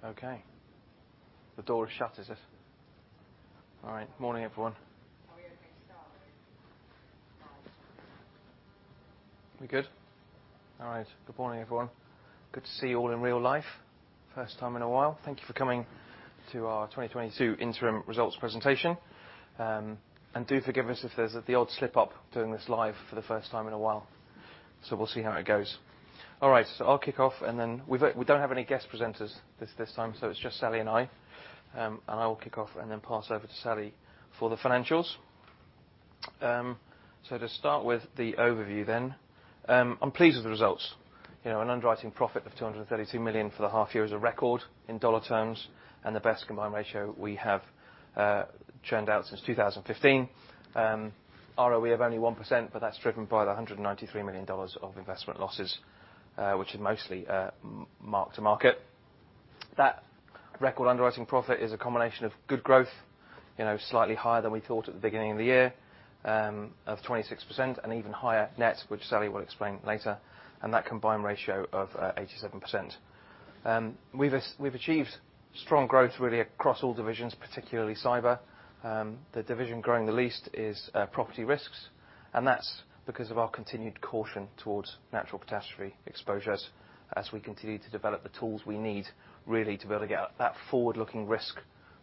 Good morning, everyone. Good to see you all in real life. First time in a while. Thank you for coming to our 2022 interim results presentation. Do forgive us if there's the odd slip up doing this live for the first time in a while. We'll see how it goes. All right, I'll kick off and then we don't have any guest presenters this time, so it's just Sally and I. I will kick off and then pass over to Sally for the financials. To start with the overview then. I'm pleased with the results. You know, an underwriting profit of $232 million for the half year is a record in dollar terms and the best combined ratio we have turned out since 2015. ROE of only 1%, but that's driven by the $193 million of investment losses, which is mostly mark to market. That record underwriting profit is a combination of good growth, you know, slightly higher than we thought at the beginning of the year, of 26% and even higher net, which Sally will explain later. That combined ratio of 87%. We've achieved strong growth really across all divisions, particularly cyber. The division growing the least is property risks, and that's because of our continued caution towards natural catastrophe exposures as we continue to develop the tools we need really to be able to get that forward-looking risk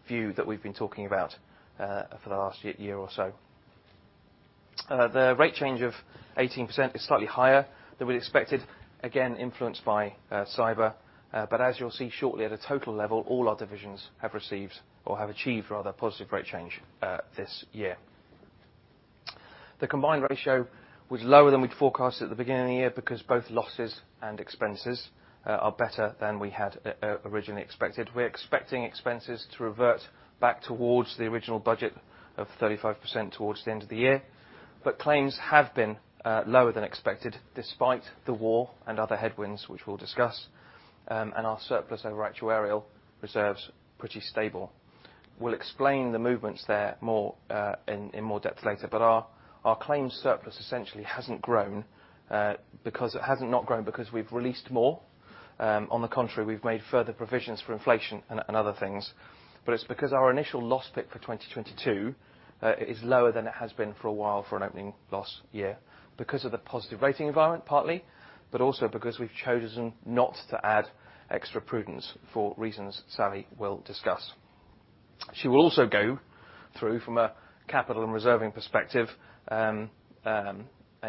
view that we've been talking about for the last year or so. The rate change of 18% is slightly higher than we'd expected, again, influenced by cyber. As you'll see shortly, at a total level, all our divisions have received or have achieved rather positive rate change this year. The combined ratio was lower than we'd forecast at the beginning of the year because both losses and expenses are better than we had originally expected. We're expecting expenses to revert back towards the original budget of 35% towards the end of the year. Claims have been lower than expected despite the war and other headwinds, which we'll discuss, and our surplus over actuarial reserves pretty stable. We'll explain the movements there more in more depth later. Our claims surplus essentially hasn't grown because it hasn't not grown because we've released more. On the contrary, we've made further provisions for inflation and other things. It's because our initial loss pick for 2022 is lower than it has been for a while for an opening loss year. Because of the positive rating environment, partly, but also because we've chosen not to add extra prudence for reasons Sally will discuss. She will also go through from a capital and reserving perspective, in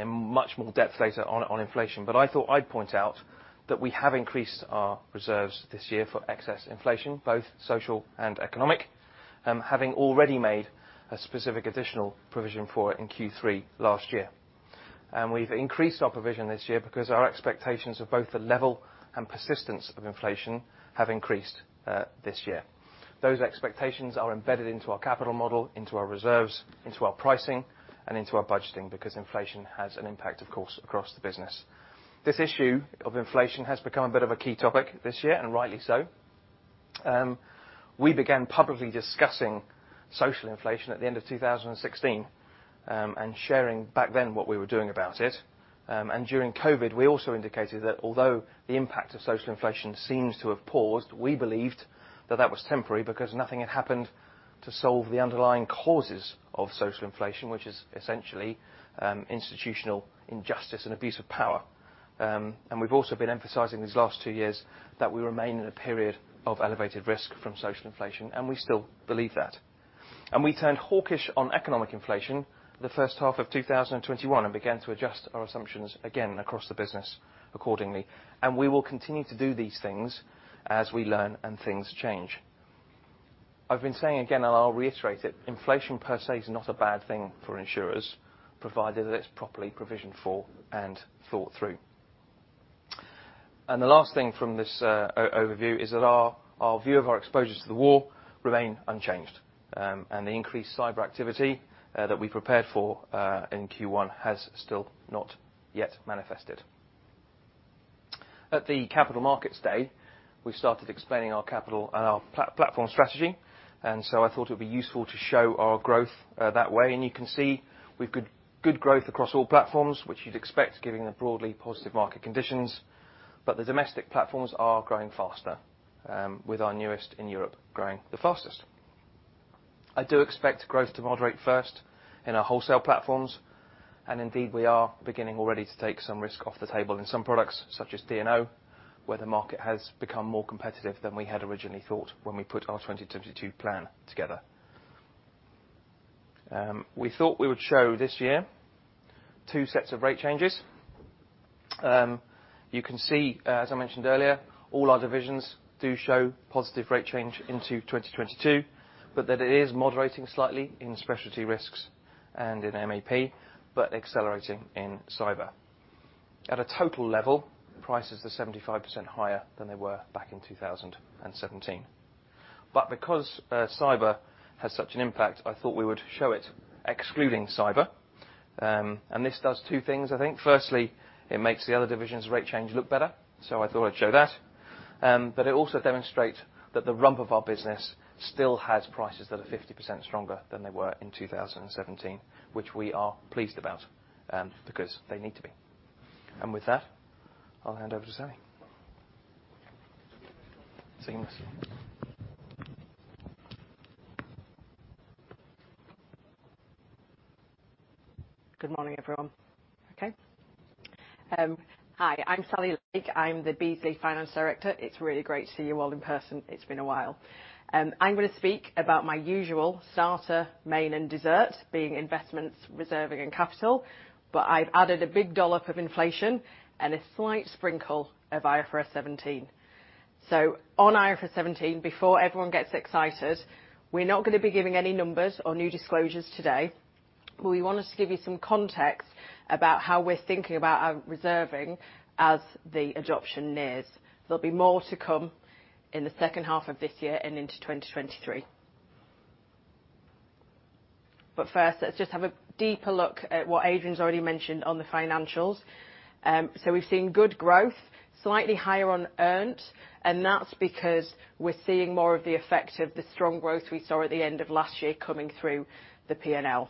much more depth later on inflation. I thought I'd point out that we have increased our reserves this year for excess inflation, both social and economic, having already made a specific additional provision for it in Q3 last year. We've increased our provision this year because our expectations of both the level and persistence of inflation have increased this year. Those expectations are embedded into our capital model, into our reserves, into our pricing, and into our budgeting because inflation has an impact, of course, across the business. This issue of inflation has become a bit of a key topic this year, and rightly so. We began publicly discussing social inflation at the end of 2016, and sharing back then what we were doing about it. During COVID, we also indicated that although the impact of social inflation seems to have paused, we believed that that was temporary because nothing had happened to solve the underlying causes of social inflation, which is essentially, institutional injustice and abuse of power. We've also been emphasizing these last two years that we remain in a period of elevated risk from social inflation, and we still believe that. We turned hawkish on economic inflation the first half of 2021 and began to adjust our assumptions again across the business accordingly. We will continue to do these things as we learn and things change. I've been saying again, and I'll reiterate it, inflation per se is not a bad thing for insurers, provided that it's properly provisioned for and thought through. The last thing from this overview is that our view of our exposures to the war remain unchanged. The increased cyber activity that we prepared for in Q1 has still not yet manifested. At the Capital Markets Day, we started explaining our capital and our platform strategy. I thought it would be useful to show our growth that way. You can see we have good growth across all platforms, which you'd expect given the broadly positive market conditions. The domestic platforms are growing faster, with our newest in Europe growing the fastest. I do expect growth to moderate first in our wholesale platforms, and indeed, we are beginning already to take some risk off the table in some products such as D&O, where the market has become more competitive than we had originally thought when we put our 2022 plan together. We thought we would show this year two sets of rate changes. You can see, as I mentioned earlier, all our divisions do show positive rate change into 2022, but that it is moderating slightly in Specialty Risks and in MAP, but accelerating in cyber. At a total level, prices are 75% higher than they were back in 2017. Because cyber has such an impact, I thought we would show it excluding cyber. This does two things, I think. Firstly, it makes the other divisions rate change look better, so I thought I'd show that. It also demonstrates that the rump of our business still has prices that are 50% stronger than they were in 2017, which we are pleased about, because they need to be. With that, I'll hand over to Sally. Seamlessly. Good morning, everyone. Okay. Hi, I'm Sally Lake. I'm the Beazley Finance Director. It's really great to see you all in person. It's been a while. I'm gonna speak about my usual starter, main, and dessert, being investments, reserving, and capital, but I've added a big dollop of inflation and a slight sprinkle of IFRS 17. On IFRS 17, before everyone gets excited, we're not gonna be giving any numbers or new disclosures today. We wanted to give you some context about how we're thinking about our reserving as the adoption nears. There'll be more to come in the second half of this year and into 2023. First, let's just have a deeper look at what Adrian's already mentioned on the financials. We've seen good growth, slightly higher on earned, and that's because we're seeing more of the effect of the strong growth we saw at the end of last year coming through the P&L.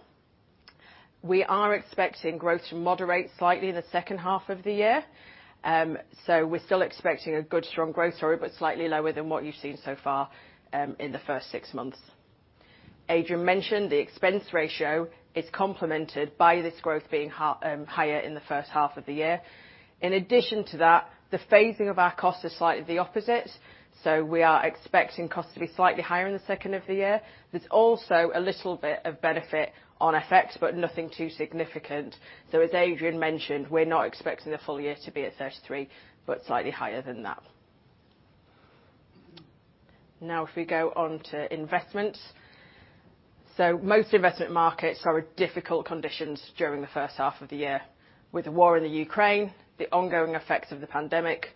We are expecting growth to moderate slightly in the second half of the year. We're still expecting a good strong growth story, but slightly lower than what you've seen so far, in the first six months. Adrian mentioned the expense ratio is complemented by this growth being higher in the first half of the year. In addition to that, the phasing of our costs is slightly the opposite, so we are expecting costs to be slightly higher in the second half of the year. There's also a little bit of benefit on effects, but nothing too significant. As Adrian mentioned, we're not expecting the full year to be at 33%, but slightly higher than that. Now if we go on to investments. Most investment markets are at difficult conditions during the first half of the year. With the war in Ukraine, the ongoing effects of the pandemic,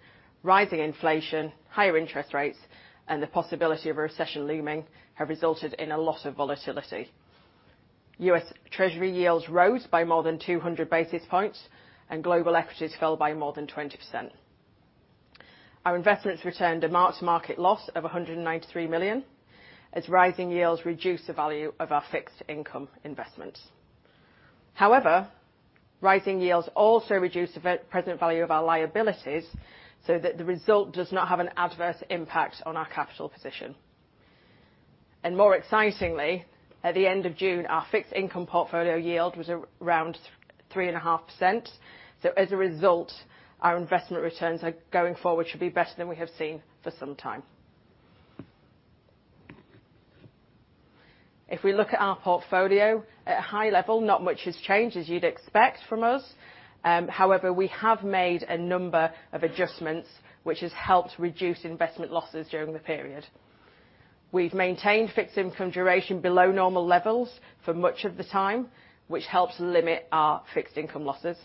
rising inflation, higher interest rates, and the possibility of a recession looming have resulted in a lot of volatility. U.S. Treasury yields rose by more than 200 basis points, and global equities fell by more than 20%. Our investments returned a mark-to-market loss of $193 million, as rising yields reduced the value of our fixed income investments. However, rising yields also reduced the present value of our liabilities so that the result does not have an adverse impact on our capital position. More excitingly, at the end of June, our fixed income portfolio yield was around 3.5%. As a result, our investment returns are going forward should be better than we have seen for some time. If we look at our portfolio, at high level, not much has changed, as you'd expect from us. However, we have made a number of adjustments which has helped reduce investment losses during the period. We've maintained fixed income duration below normal levels for much of the time, which helps limit our fixed income losses.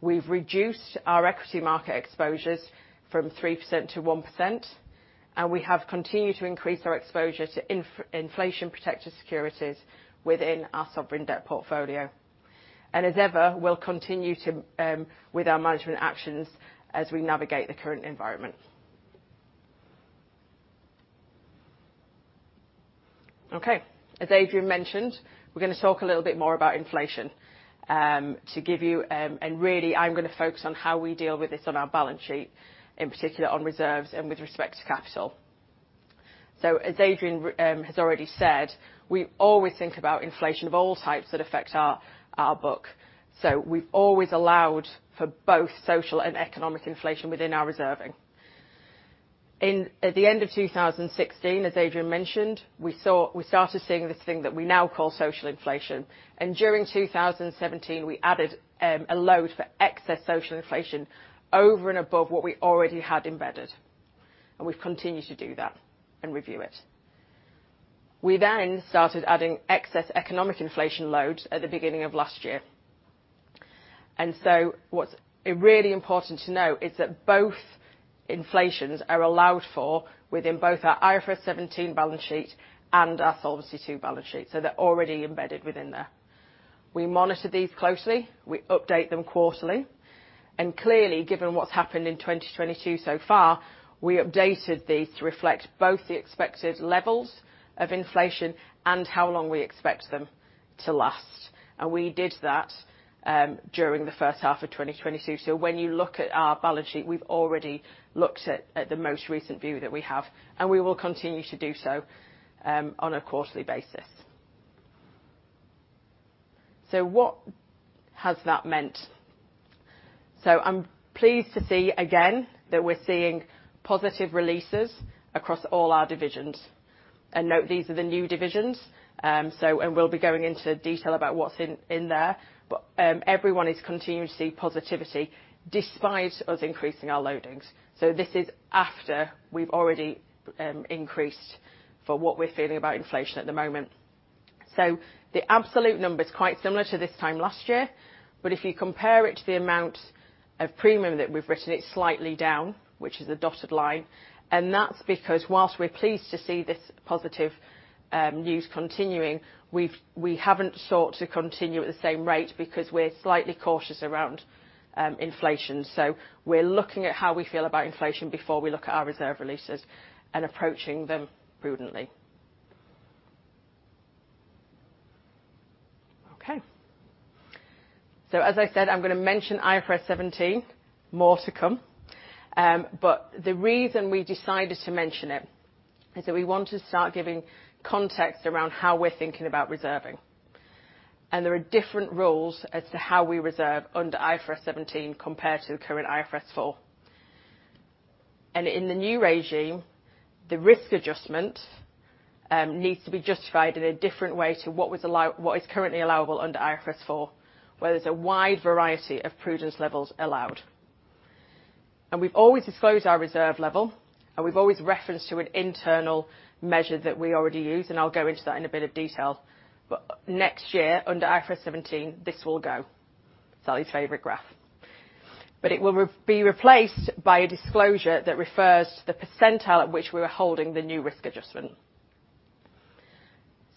We've reduced our equity market exposures from 3% to 1%, and we have continued to increase our exposure to inflation-protected securities within our sovereign debt portfolio. As ever, we'll continue to with our management actions as we navigate the current environment. Okay. As Adrian mentioned, we're gonna talk a little bit more about inflation to give you, and really I'm gonna focus on how we deal with this on our balance sheet, in particular on reserves and with respect to capital. As Adrian has already said, we always think about inflation of all types that affect our book. We've always allowed for both social and economic inflation within our reserving. At the end of 2016, as Adrian mentioned, we started seeing this thing that we now call social inflation, and during 2017, we added a load for excess social inflation over and above what we already had embedded, and we've continued to do that and review it. We then started adding excess economic inflation loads at the beginning of last year. What's really important to note is that both inflations are allowed for within both our IFRS 17 balance sheet and our Solvency II balance sheet, so they're already embedded within there. We monitor these closely. We update them quarterly. Clearly, given what's happened in 2022 so far, we updated these to reflect both the expected levels of inflation and how long we expect them to last. We did that during the first half of 2022. When you look at our balance sheet, we've already looked at the most recent view that we have, and we will continue to do so on a quarterly basis. What has that meant? I'm pleased to see, again, that we're seeing positive releases across all our divisions. Note these are the new divisions, and we'll be going into detail about what's in there. Everyone is continuing to see positivity despite us increasing our loadings. This is after we've already increased for what we're feeling about inflation at the moment. The absolute number is quite similar to this time last year, but if you compare it to the amount of premium that we've written, it's slightly down, which is the dotted line. That's because while we're pleased to see this positive news continuing, we haven't sought to continue at the same rate because we're slightly cautious around inflation. We're looking at how we feel about inflation before we look at our reserve releases and approaching them prudently. Okay. As I said, I'm gonna mention IFRS 17, more to come. The reason we decided to mention it is that we want to start giving context around how we're thinking about reserving. There are different rules as to how we reserve under IFRS 17 compared to the current IFRS 4. In the new regime, the risk adjustment needs to be justified in a different way to what is currently allowable under IFRS 4, where there's a wide variety of prudence levels allowed. We've always disclosed our reserve level, and we've always referenced to an internal measure that we already use, and I'll go into that in a bit of detail. Next year, under IFRS 17, this will go. Sally's favorite graph. It will be replaced by a disclosure that refers to the percentile at which we are holding the new risk adjustment.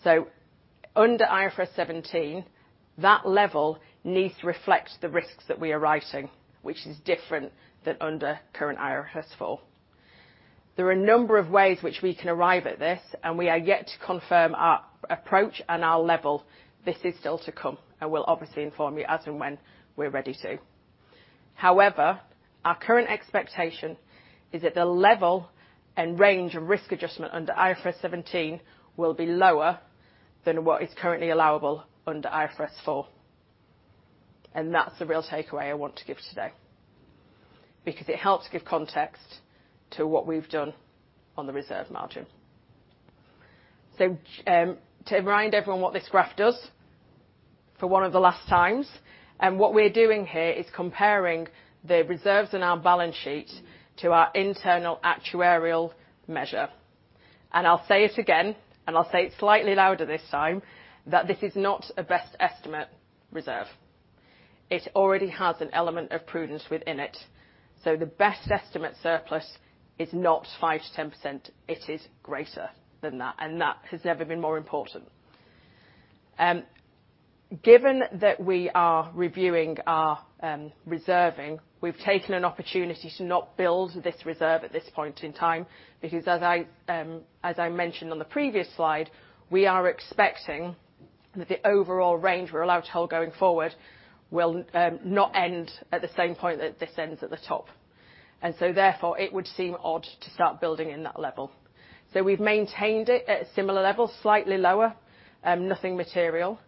Under IFRS 17, that level needs to reflect the risks that we are writing, which is different than under current IFRS 4. There are a number of ways which we can arrive at this, and we are yet to confirm our approach and our level. This is still to come, and we'll obviously inform you as and when we're ready to. However, our current expectation is that the level and range of risk adjustment under IFRS 17 will be lower than what is currently allowable under IFRS 4. That's the real takeaway I want to give today. Because it helps give context to what we've done on the reserve margin. To remind everyone what this graph does for one of the last times, what we're doing here is comparing the reserves in our balance sheet to our internal actuarial measure. I'll say it again, and I'll say it slightly louder this time, that this is not a best estimate reserve. It already has an element of prudence within it. The best estimate surplus is not 5%-10%, it is greater than that, and that has never been more important. Given that we are reviewing our reserving, we've taken an opportunity to not build this reserve at this point in time because, as I mentioned on the previous slide, we are expecting that the overall range we're allowed to hold going forward will not end at the same point that this ends at the top. Therefore, it would seem odd to start building in that level. We've maintained it at a similar level, slightly lower, nothing material.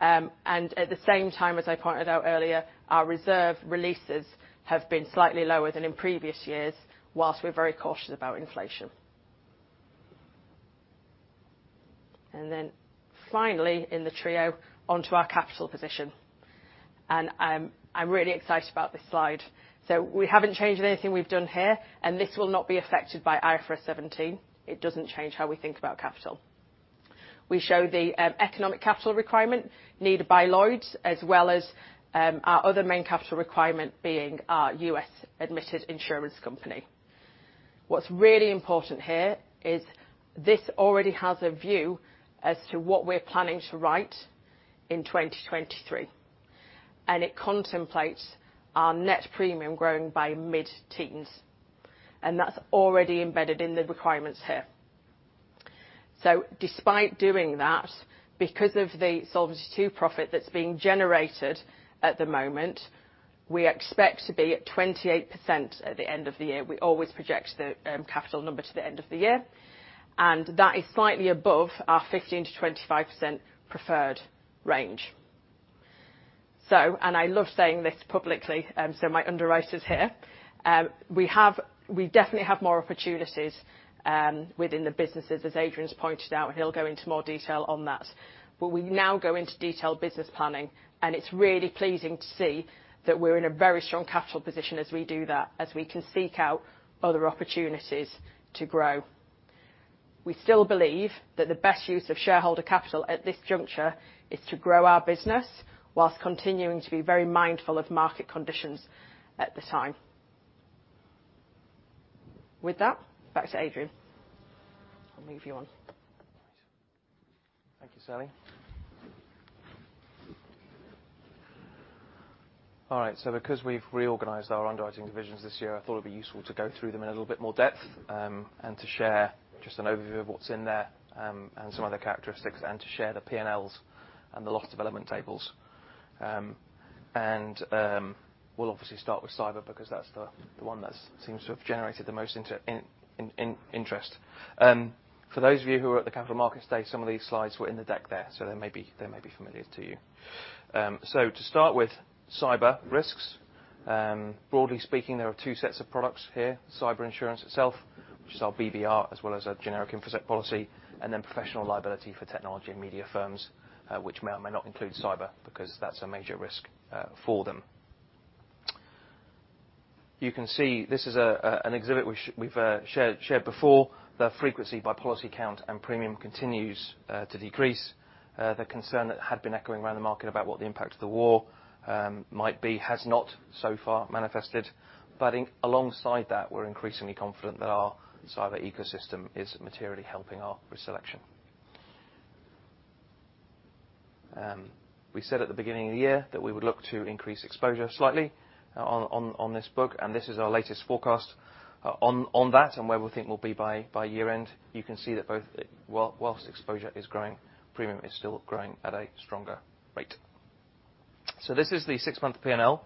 At the same time, as I pointed out earlier, our reserve releases have been slightly lower than in previous years, while we're very cautious about inflation. Finally in the trio, onto our capital position. I'm really excited about this slide. We haven't changed anything we've done here, and this will not be affected by IFRS 17. It doesn't change how we think about capital. We show the economic capital requirement needed by Lloyd's, as well as our other main capital requirement being our U.S. admitted insurance company. What's really important here is this already has a view as to what we're planning to write in 2023, and it contemplates our net premium growing by mid-teens. That's already embedded in the requirements here. Despite doing that, because of the Solvency II profit that's being generated at the moment, we expect to be at 28% at the end of the year. We always project the capital number to the end of the year. That is slightly above our 15%-25% preferred range. I love saying this publicly, so my underwriters here, we definitely have more opportunities within the businesses, as Adrian's pointed out, and he'll go into more detail on that. We now go into detailed business planning, and it's really pleasing to see that we're in a very strong capital position as we do that, as we can seek out other opportunities to grow. We still believe that the best use of shareholder capital at this juncture is to grow our business whilst continuing to be very mindful of market conditions at this time. With that, back to Adrian. I'll move you on. Thank you, Sally. All right. Because we've reorganized our underwriting divisions this year, I thought it'd be useful to go through them in a little bit more depth, and to share just an overview of what's in there, and some other characteristics, and to share the P&Ls and the loss development tables. We'll obviously start with cyber because that's the one that seems to have generated the most interest. For those of you who were at the Capital Markets Day, some of these slides were in the deck there, so they may be familiar to you. To start with Cyber Risks, broadly speaking, there are two sets of products here. Cyber insurance itself, which is our BBR, as well as a generic InfoSec policy, and then professional liability for technology and media firms, which may or may not include cyber because that's a major risk for them. You can see this is an exhibit we've shared before. The frequency by policy count and premium continues to decrease. The concern that had been echoing around the market about what the impact of the war might be has not so far manifested. Alongside that, we're increasingly confident that our cyber ecosystem is materially helping our risk selection. We said at the beginning of the year that we would look to increase exposure slightly on this book, and this is our latest forecast on that and where we think we'll be by year end. You can see that while exposure is growing, premium is still growing at a stronger rate. This is the six-month P&L.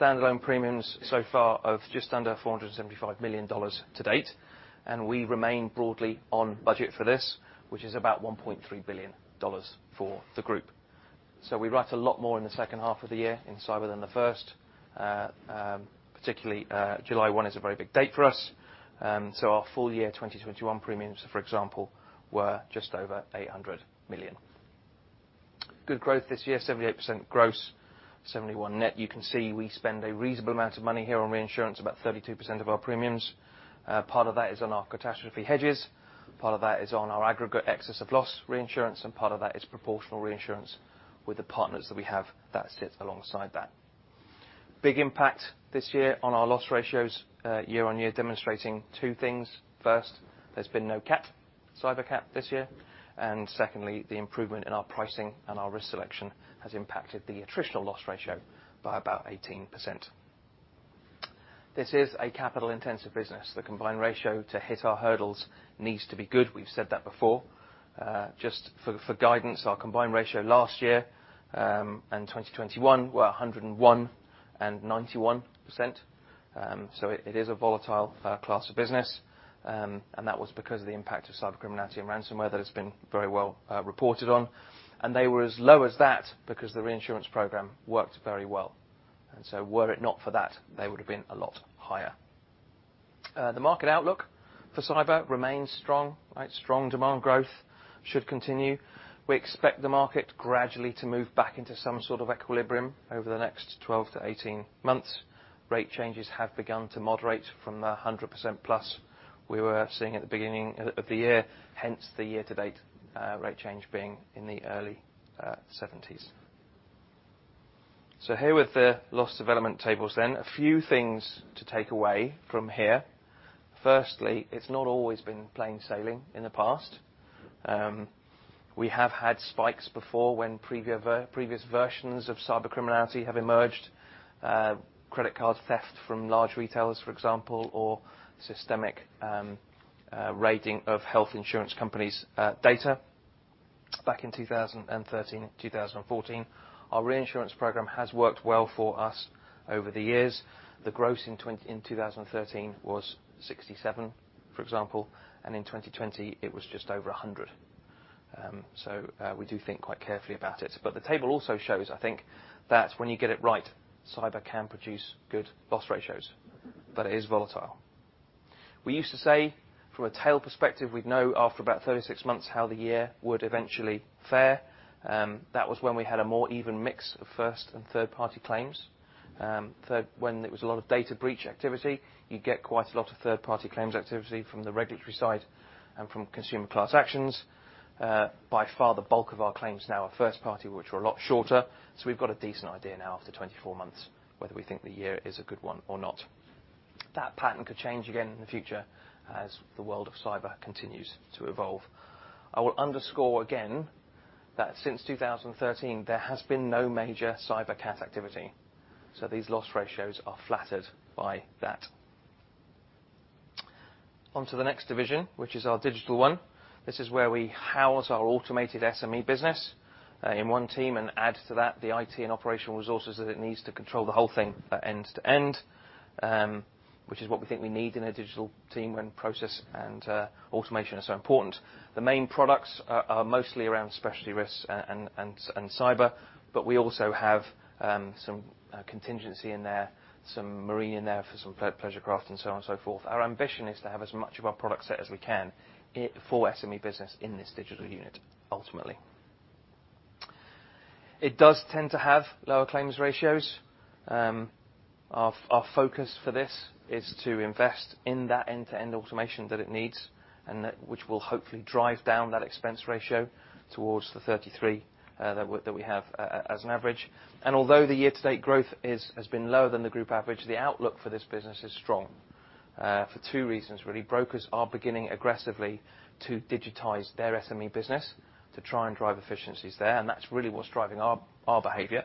Standalone premiums so far of just under $475 million to date, and we remain broadly on budget for this, which is about $1.3 billion for the group. We write a lot more in the second half of the year in cyber than the first. Particularly, July one is a very big date for us. Our full year 2021 premiums, for example, were just over $800 million. Good growth this year, 78% gross, 71% net. You can see we spend a reasonable amount of money here on reinsurance, about 32% of our premiums. Part of that is on our catastrophe hedges, part of that is on our aggregate excess of loss reinsurance, and part of that is proportional reinsurance with the partners that we have that sits alongside that. Big impact this year on our loss ratios, year-over-year, demonstrating two things. First, there's been no cat, cyber cat this year, and secondly, the improvement in our pricing and our risk selection has impacted the attritional loss ratio by about 18%. This is a capital-intensive business. The combined ratio to hit our hurdles needs to be good. We've said that before. Just for guidance, our combined ratio last year and 2021 were 101% and 91%. It is a volatile class of business. That was because of the impact of cyber criminality and ransomware that has been very well reported on. They were as low as that because the reinsurance program worked very well. Were it not for that, they would have been a lot higher. The market outlook for cyber remains strong, right? Strong demand growth should continue. We expect the market gradually to move back into some sort of equilibrium over the next 12 to 18 months. Rate changes have begun to moderate from the 100%+ we seeing at the beginning of the year, hence the year-to-date rate change being in the early 1970s. Here with the loss development tables then, a few things to take away from here. Firstly, it's not always been plain sailing in the past. We have had spikes before when previous versions of cybercriminality have emerged, credit card theft from large retailers, for example, or systemic raiding of health insurance companies data back in 2013, 2014. Our reinsurance program has worked well for us over the years. The gross in 2013 was 67%, for example, and in 2020, it was just over 100%. We do think quite carefully about it. The table also shows, I think, that when you get it right, cyber can produce good loss ratios, but it is volatile. We used to say from a tail perspective, we'd know after about 36 months how the year would eventually fare. That was when we had a more even mix of first and third-party claims. Third, when it was a lot of data breach activity, you'd get quite a lot of third-party claims activity from the regulatory side and from consumer class actions. By far, the bulk of our claims now are first-party, which are a lot shorter. We've got a decent idea now after 24 months, whether we think the year is a good one or not. That pattern could change again in the future as the world of cyber continues to evolve. I will underscore again that since 2013, there has been no major cyber cat activity. These loss ratios are flattered by that. On to the next division, which is our digital one. This is where we house our automated SME business in one team and add to that the IT and operational resources that it needs to control the whole thing end-to-end, which is what we think we need in a Digital team when process and automation are so important. The main products are mostly around Specialty Risks and cyber, but we also have some contingency in there, some marine in there for some pleasure craft and so on and so forth. Our ambition is to have as much of our product set as we can for SME business in this Digital unit, ultimately. It does tend to have lower claims ratios. Our focus for this is to invest in that end-to-end automation that it needs, which will hopefully drive down that expense ratio towards the 33% that we have as an average. Although the year-to-date growth has been lower than the group average, the outlook for this business is strong for two reasons, really. Brokers are beginning aggressively to digitize their SME business to try and drive efficiencies there, and that's really what's driving our behavior.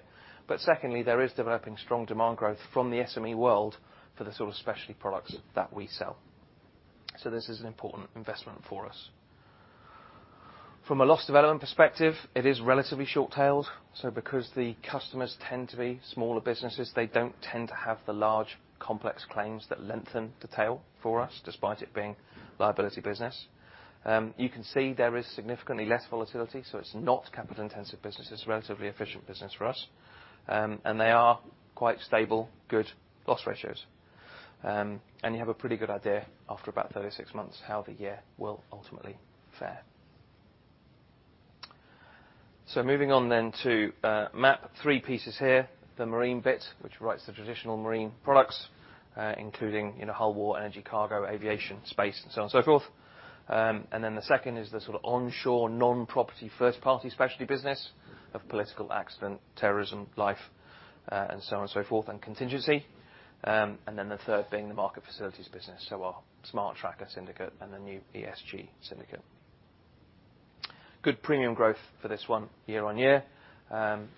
Secondly, there is developing strong demand growth from the SME world for the sort of specialty products that we sell. This is an important investment for us. From a loss development perspective, it is relatively short tailed. Because the customers tend to be smaller businesses, they don't tend to have the large complex claims that lengthen the tail for us, despite it being liability business. You can see there is significantly less volatility, so it's not capital intensive business. It's a relatively efficient business for us. They are quite stable, good loss ratios. You have a pretty good idea after about 36 months how the year will ultimately fare. Moving on then to MAP three pieces here, the marine bit, which writes the traditional marine products, including, you know, hull, war, energy, cargo, aviation, space, and so on and so forth. Then the second is the sort of onshore non-property first party specialty business of political accident, terrorism, life, and so on and so forth, and contingency. Then the third being the market facilities business, so our Smart Tracker Syndicate and the new ESG Syndicate. Good premium growth for this one year on year.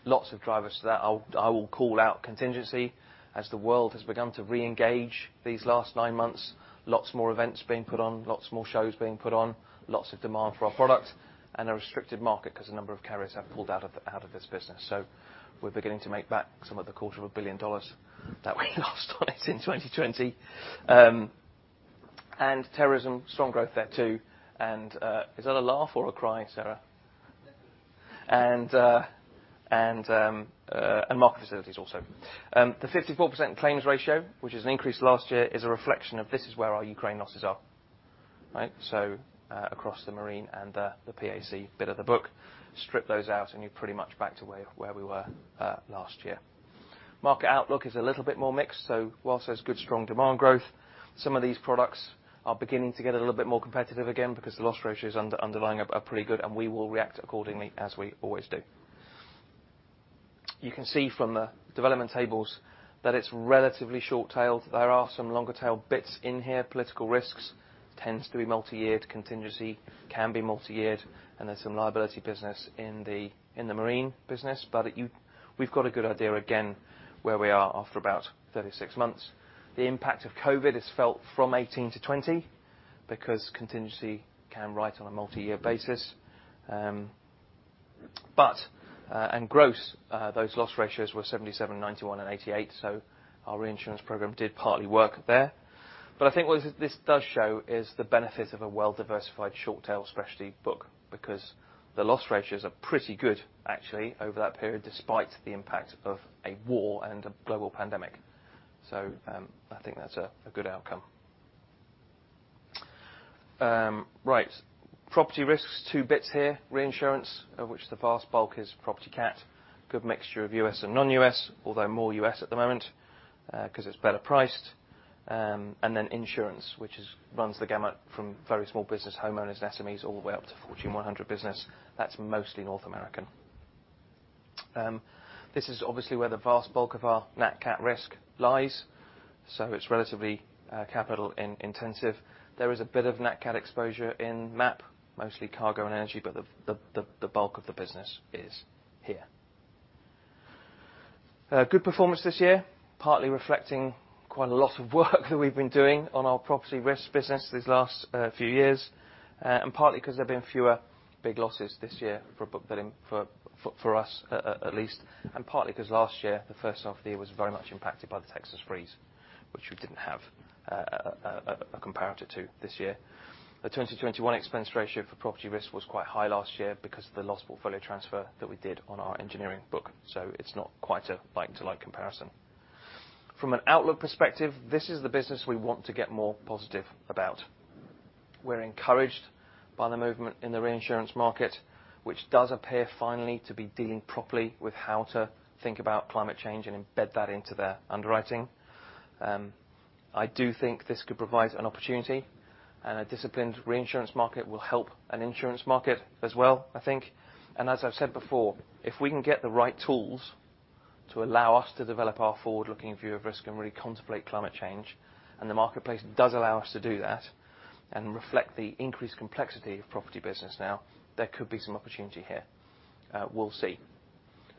Lots of drivers to that. I will call out contingency as the world has begun to reengage these last nine months. Lots more events being put on, lots more shows being put on, lots of demand for our product, and a restricted market 'cause a number of carriers have pulled out of this business. So we're beginning to make back some of the quarter of a billion dollars that we lost on it in 2020. Terrorism, strong growth there too. Is that a laugh or a cry, Sarah? Market facilities also. The 54% claims ratio, which is an increase last year, is a reflection of this is where our Ukraine losses are, right? Across the marine and the PAC bit of the book, strip those out, and you're pretty much back to where we were last year. Market outlook is a little bit more mixed. Whilst there's good, strong demand growth, some of these products are beginning to get a little bit more competitive again because the loss ratios underlying are pretty good, and we will react accordingly as we always do. You can see from the development tables that it's relatively short tail. There are some longer tail bits in here. Political risks tends to be multi-year. Contingency can be multi-year. There's some liability business in the marine business. We've got a good idea again where we are after about 36 months. The impact of COVID is felt from 2018 to 2020 because contingency can write on a multi-year basis. Gross those loss ratios were 77%, 91%, and 88%, so our reinsurance program did partly work there. I think what this does show is the benefit of a well-diversified short tail specialty book because the loss ratios are pretty good actually over that period, despite the impact of a war and a global pandemic. I think that's a good outcome. Property Risks, two bits here. Reinsurance, of which the vast bulk is property cat, good mixture of U.S. and non-U.S., although more U.S. at the moment, because it's better priced. Insurance, which is, runs the gamut from very small business homeowners, SMEs, all the way up to Fortune 100 business. That's mostly North American. This is obviously where the vast bulk of our nat cat risk lies, so it's relatively, capital-intensive. There is a bit of nat cat exposure in MAP, mostly cargo and energy, but the bulk of the business is here. Good performance this year, partly reflecting quite a lot of work that we've been doing on our Property Risks business these last few years, and partly 'cause there's been fewer big losses this year for a book that, for us at least, and partly 'cause last year, the first half of the year was very much impacted by the Texas freeze, which we didn't have a comparator to this year. The 2021 expense ratio for Property Risks was quite high last year because of the loss portfolio transfer that we did on our engineering book, so it's not quite a like-for-like comparison. From an outlook perspective, this is the business we want to get more positive about. We're encouraged by the movement in the reinsurance market, which does appear finally to be dealing properly with how to think about climate change and embed that into their underwriting. I do think this could provide an opportunity and a disciplined reinsurance market will help an insurance market as well, I think. As I've said before, if we can get the right tools to allow us to develop our forward-looking view of risk and really contemplate climate change, and the marketplace does allow us to do that, and reflect the increased complexity of property business now, there could be some opportunity here. We'll see.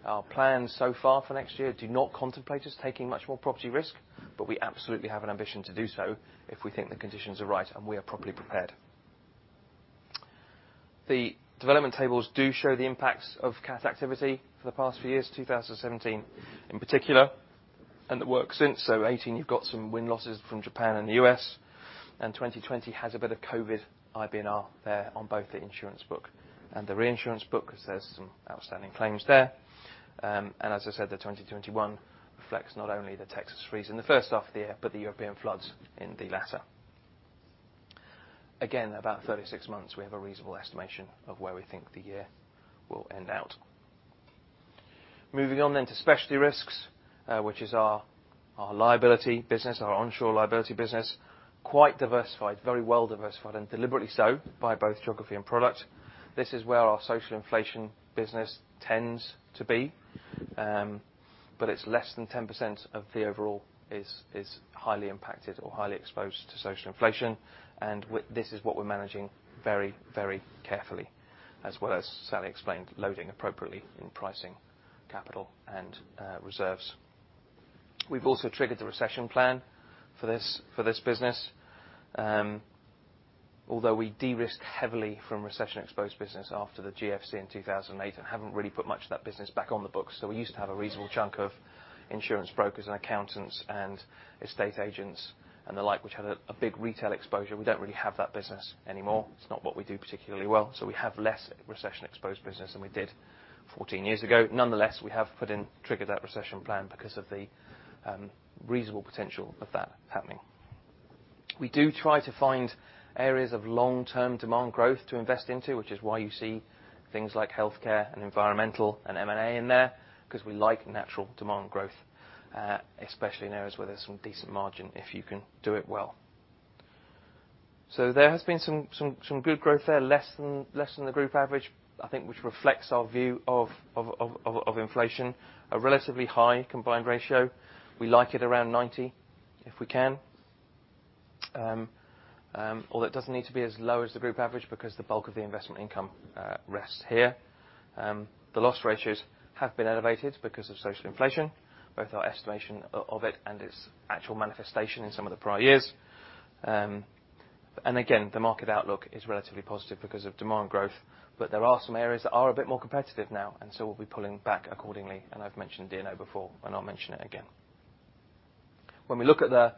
Our plans so far for next year do not contemplate us taking much more property risk, but we absolutely have an ambition to do so if we think the conditions are right and we are properly prepared. The development tables do show the impacts of cat activity for the past few years, 2017 in particular, and the work since. 2018 you've got some wind losses from Japan and the U.S., and 2020 has a bit of COVID IBNR there on both the insurance book and the reinsurance book 'cause there's some outstanding claims there. As I said, the 2021 reflects not only the Texas freeze in the first half of the year but the European floods in the latter. Again, about 36 months, we have a reasonable estimation of where we think the year will end out. Moving on to Specialty Risks, which is our liability business, our onshore liability business. Quite diversified, very well diversified, and deliberately so by both geography and product. This is where our social inflation business tends to be. It's less than 10% of the overall is highly impacted or highly exposed to social inflation. With this, we're managing very, very carefully, as well as Sally explained, loading appropriately in pricing capital and reserves. We've also triggered the recession plan for this business. Although we de-risked heavily from recession exposed business after the GFC in 2008 and haven't really put much of that business back on the books. We used to have a reasonable chunk of insurance brokers and accountants and estate agents and the like, which had a big retail exposure. We don't really have that business anymore. It's not what we do particularly well. We have less recession exposed business than we did 14 years ago. Nonetheless, we have triggered that recession plan because of the reasonable potential of that happening. We do try to find areas of long-term demand growth to invest into, which is why you see things like healthcare and environmental and M&A in there, 'cause we like natural demand growth, especially in areas where there's some decent margin if you can do it well. There has been some good growth there, less than the group average, I think, which reflects our view of inflation, a relatively high combined ratio. We like it around 90%, if we can. Well, it doesn't need to be as low as the group average because the bulk of the investment income rests here. The loss ratios have been elevated because of social inflation, both our estimation of it and its actual manifestation in some of the prior years. Again, the market outlook is relatively positive because of demand growth, but there are some areas that are a bit more competitive now, and so we'll be pulling back accordingly. I've mentioned D&O before, and I'll mention it again. When we look at the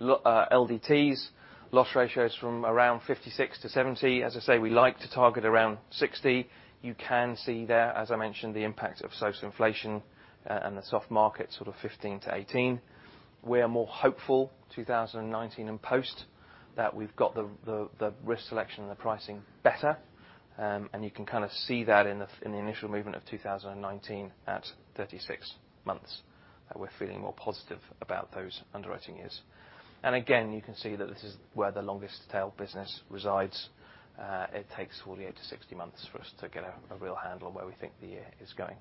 LDTs, loss ratios from around 56% to 70%. As I say, we like to target around 60%. You can see there, as I mentioned, the impact of social inflation, and the soft market, sort of 2015-2018. We are more hopeful 2019 and post that we've got the risk selection and the pricing better. You can kind of see that in the initial movement of 2019 at 36 months, that we're feeling more positive about those underwriting years. Again, you can see that this is where the longest tail business resides. It takes 48-60 months for us to get a real handle on where we think the year is going.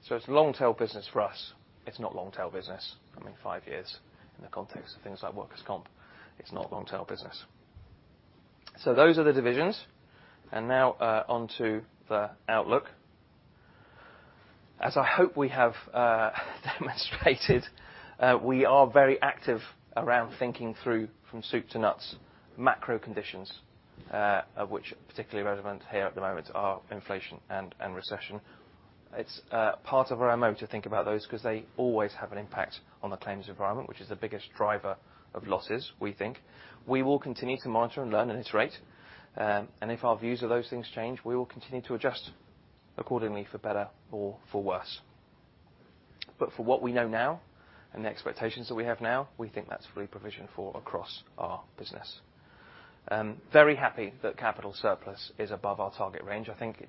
It's a long tail business for us. It's not long tail business. I mean, five years in the context of things like workers' comp, it's not long tail business. Those are the divisions. Now, onto the outlook. As I hope we have demonstrated, we are very active around thinking through from soup to nuts macro conditions, of which particularly relevant here at the moment are inflation and recession. It's part of our MO to think about those 'cause they always have an impact on the claims environment, which is the biggest driver of losses, we think. We will continue to monitor and learn and iterate. If our views of those things change, we will continue to adjust accordingly for better or for worse. For what we know now and the expectations that we have now, we think that's fully provisioned for across our business. Very happy that capital surplus is above our target range. I think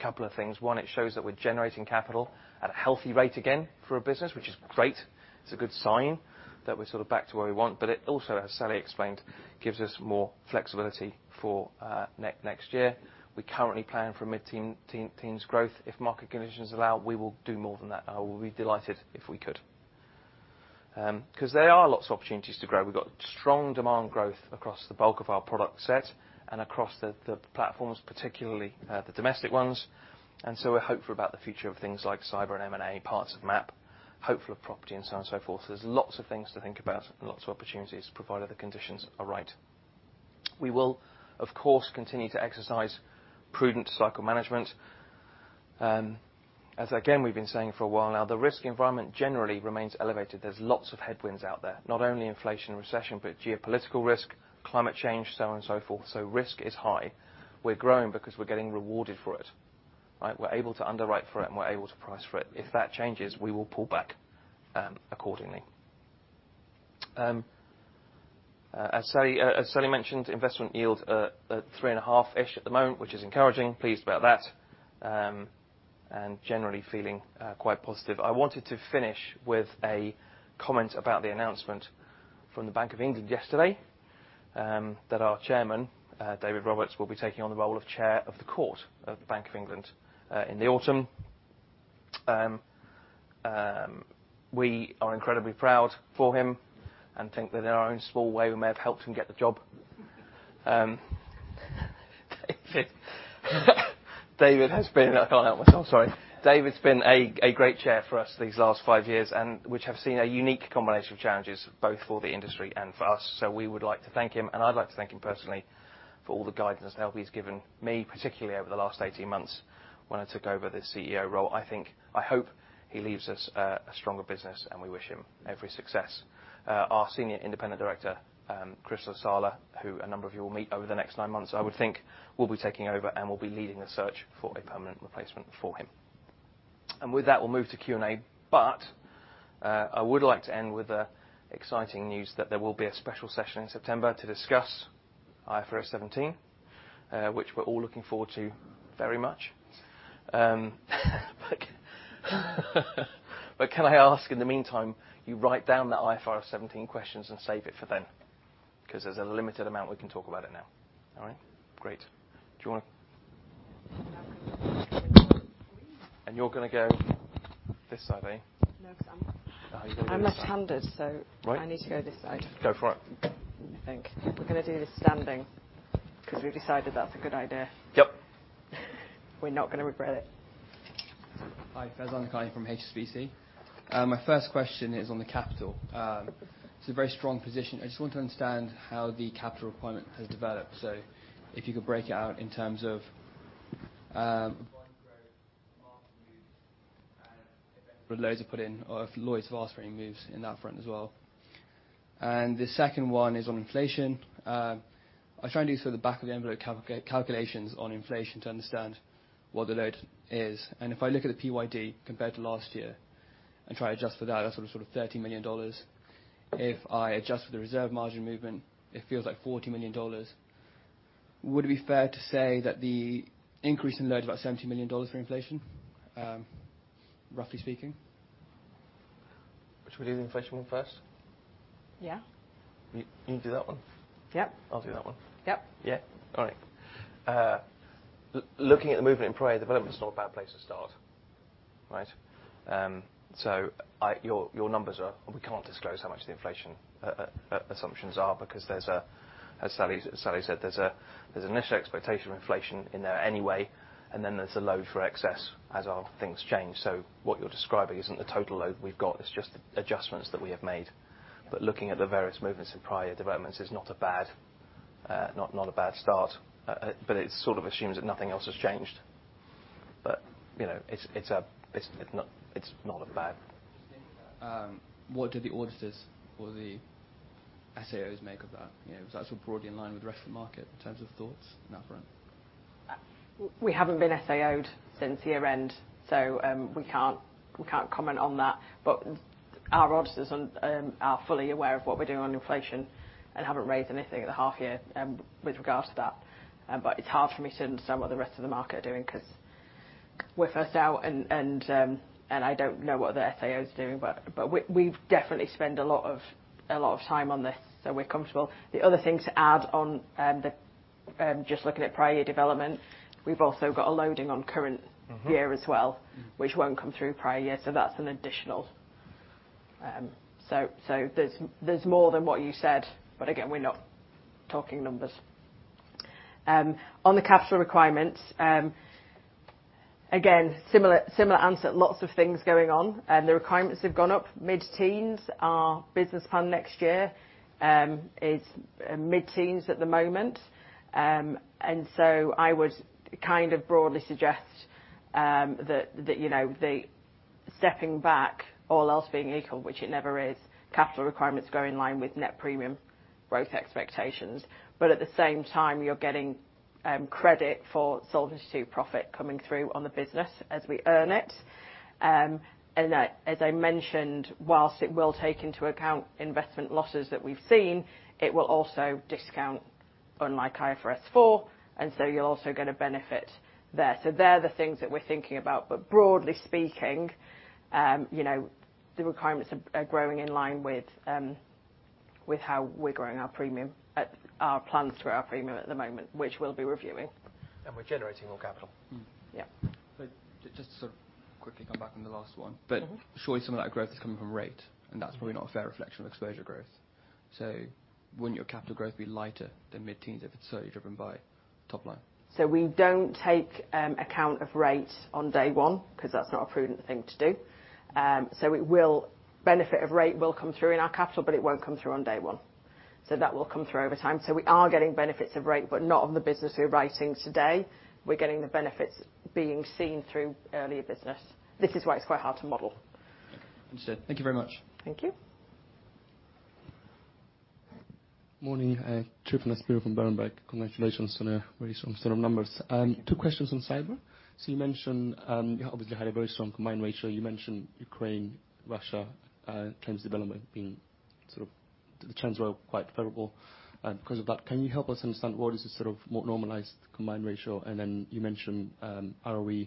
couple of things. One, it shows that we're generating capital at a healthy rate again for a business, which is great. It's a good sign that we're sort of back to where we want. It also, as Sally Lake explained, gives us more flexibility for next year. We currently plan for mid-teens growth. If market conditions allow, we will do more than that. I will be delighted if we could. 'Cause there are lots of opportunities to grow. We've got strong demand growth across the bulk of our product set and across the platforms, particularly the domestic ones. We're hopeful about the future of things like cyber and M&A, parts of MAP, hopeful of property and so on and so forth. There's lots of things to think about and lots of opportunities, provided the conditions are right. We will, of course, continue to exercise prudent cycle management. As again, we've been saying for a while now, the risk environment generally remains elevated. There's lots of headwinds out there, not only inflation and recession, but geopolitical risk, climate change, so on and so forth. Risk is high. We're growing because we're getting rewarded for it, right? We're able to underwrite for it, and we're able to price for it. If that changes, we will pull back accordingly. As Sally mentioned, investment yield at 3.5-ish at the moment, which is encouraging. Pleased about that. And generally feeling quite positive. I wanted to finish with a comment about the announcement from the Bank of England yesterday that our Chairman, David Roberts, will be taking on the role of Chair of the Court of the Bank of England in the autumn. We are incredibly proud for him and think that in our own small way, we may have helped him get the job. I can't help myself, sorry. David's been a great Chair for us these last five years, which have seen a unique combination of challenges, both for the industry and for us. We would like to thank him, and I'd like to thank him personally for all the guidance and help he's given me, particularly over the last 18 months when I took over the CEO role. I think I hope he leaves us a stronger business, and we wish him every success. Our Senior Independent Director, Chris LaSala, who a number of you will meet over the next nine months, I would think, will be taking over and will be leading the search for a permanent replacement for him. With that, we'll move to Q&A. I would like to end with the exciting news that there will be a special session in September to discuss IFRS 17, which we're all looking forward to very much. Can I ask, in the meantime, you write down the IFRS 17 questions and save it for then? 'Cause there's a limited amount we can talk about it now. All right? Great. You're gonna go this side, eh? No, Sam. Oh, you're going this side. I'm left-handed. Right. I need to go this side. Go for it. Thank you. We're gonna do this standing 'cause we've decided that's a good idea. Yep. We're not gonna regret it. Hi. Faizan Lakhani from HSBC. My first question is on the capital. It's a very strong position. I just want to understand how the capital requirement has developed. If you could break it out in terms of growth, market moves, and if any loads are put in or if Lloyd's have asked for any moves in that front as well. The second one is on inflation. I was trying to do sort of the back-of-the-envelope calculations on inflation to understand what the load is. If I look at the PYD compared to last year and try to adjust for that's sort of $30 million. If I adjust for the reserve margin movement, it feels like $40 million. Would it be fair to say that the increase in loss is about $70 million for inflation, roughly speaking? Should we do the inflation one first? Yeah. You do that one. Yep. I'll do that one. Yep. Yeah. All right. Looking at the movement in prior development is not a bad place to start. Right. So your numbers are... We can't disclose how much the inflation assumptions are because there's, as Sally said, there's initial expectation of inflation in there anyway, and then there's a load for excess as our things change. So what you're describing isn't the total load we've got. It's just adjustments that we have made. Looking at the various movements in prior developments is not a bad start, but it sort of assumes that nothing else has changed. You know, it's not a bad What do the auditors or the SAOs make of that? You know, is that sort of broadly in line with the rest of the market in terms of thoughts on that front? We haven't been SAOed since year-end, so we can't comment on that. Our auditors are fully aware of what we're doing on inflation and haven't raised anything at the half year with regard to that. It's hard for me to understand what the rest of the market are doing 'cause we're first out and I don't know what other SAO is doing. We've definitely spent a lot of time on this, so we're comfortable. The other thing to add on, just looking at prior year development, we've also got a loading on current year as well, which won't come through prior year, so that's an additional. There's more than what you said. Again, we're not talking numbers. On the capital requirements, again, similar answer. Lots of things going on, and the requirements have gone up mid-teens. Our business plan next year is mid-teens at the moment. I would kind of broadly suggest that you know the stepping back, all else being equal, which it never is, capital requirements go in line with net premium growth expectations. At the same time, you're getting credit for Solvency II to profit coming through on the business as we earn it. As I mentioned, while it will take into account investment losses that we've seen, it will also discount unlike IFRS 4, and so you'll also get a benefit there. They're the things that we're thinking about. Broadly speaking, you know, the requirements are growing in line with how we're growing our premium, our plans to our premium at the moment, which we'll be reviewing. We're generating more capital. Yeah. Just to sort of quickly come back on the last one. Surely some of that growth is coming from rate, and that's probably not a fair reflection of exposure growth. Wouldn't your capital growth be lighter than mid-teens if it's solely driven by top line? We don't take account of rate on day one, 'cause that's not a prudent thing to do. The benefit of rate will come through in our capital, but it won't come through on day one. That will come through over time. We are getting benefits of rate, but not on the business we're writing today. We're getting the benefits from earlier business. This is why it's quite hard to model. Understood. Thank you very much. Thank you. Morning. Tryfonas Spyrou from Berenberg. Congratulations on a very strong set of numbers. Two questions on cyber. You mentioned you obviously had a very strong combined ratio. You mentioned Ukraine, Russia, claims development being sort of the trends were quite favorable because of that. Can you help us understand what is the sort of more normalized combined ratio? And then you mentioned ROE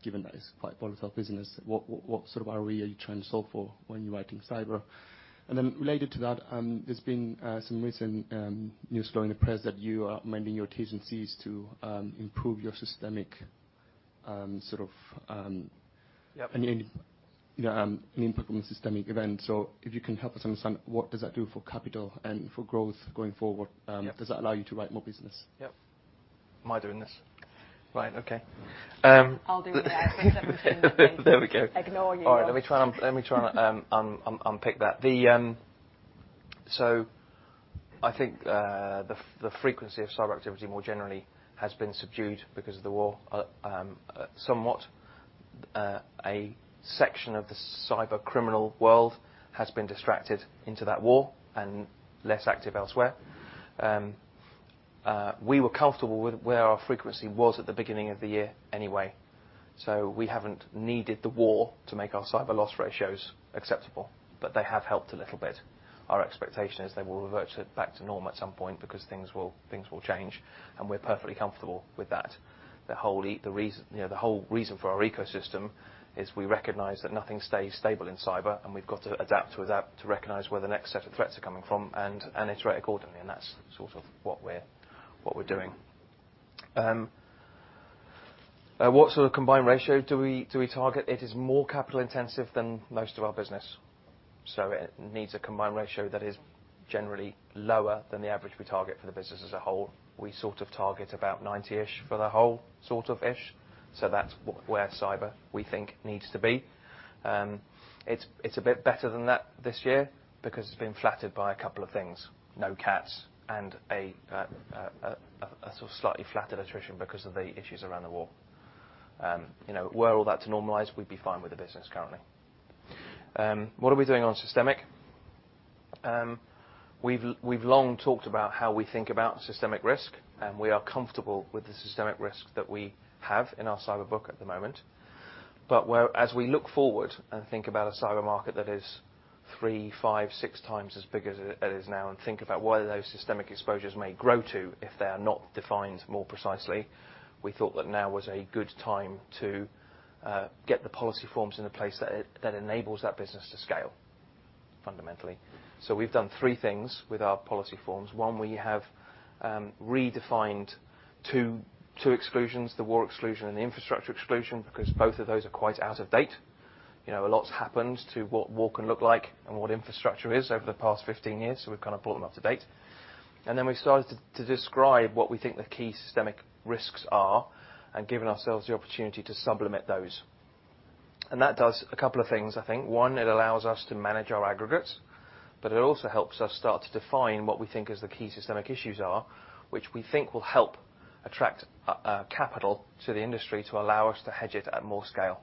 given that it's quite volatile business. What sort of ROE are you trying to solve for when you're writing cyber? And then related to that, there's been some recent news story in the press that you are amending your T&Cs to improve your systemic sort of. Yeah And yeah, any improvement in systemic events. If you can help us understand what does that do for capital and for growth going forward? Yeah. Does that allow you to write more business? Yeah. Am I doing this? Right. Okay. I'll do it. There we go. Ignore you lot. All right. Let me try and unpick that. I think the frequency of cyber activity more generally has been subdued because of the war. Somewhat, a section of the cyber criminal world has been distracted into that war and less active elsewhere. We were comfortable with where our frequency was at the beginning of the year anyway, so we haven't needed the war to make our cyber loss ratios acceptable, but they have helped a little bit. Our expectation is they will revert it back to norm at some point because things will change, and we're perfectly comfortable with that. The whole reason, you know, the whole reason for our ecosystem is we recognize that nothing stays stable in cyber, and we've got to adapt to recognize where the next set of threats are coming from and iterate accordingly, and that's sort of what we're doing. What sort of combined ratio do we target? It is more capital intensive than most of our business, so it needs a combined ratio that is generally lower than the average we target for the business as a whole. We sort of target about 90-ish for the whole sort of ish. So that's where cyber, we think, needs to be. It's a bit better than that this year because it's been flattered by a couple of things. Low cats and a sort of slightly flattened attrition because of the issues around the war. You know, were all that to normalize, we'd be fine with the business currently. What are we doing on systemic? We've long talked about how we think about systemic risk, and we are comfortable with the systemic risk that we have in our cyber book at the moment. But whereas we look forward and think about a cyber market that is three, five, six times as big as it is now, and think about where those systemic exposures may grow to if they are not defined more precisely, we thought that now was a good time to get the policy forms into place that enables that business to scale, fundamentally. We've done three things with our policy forms. One, we have redefined two exclusions, the war exclusion and the infrastructure exclusion, because both of those are quite out of date. You know, a lot's happened to what war can look like and what infrastructure is over the past 15 years, so we've kind of brought them up to date. Then we've started to describe what we think the key systemic risks are and given ourselves the opportunity to supplement those. That does a couple of things, I think. One, it allows us to manage our aggregates, but it also helps us start to define what we think is the key systemic issues are, which we think will help attract capital to the industry to allow us to hedge it at more scale.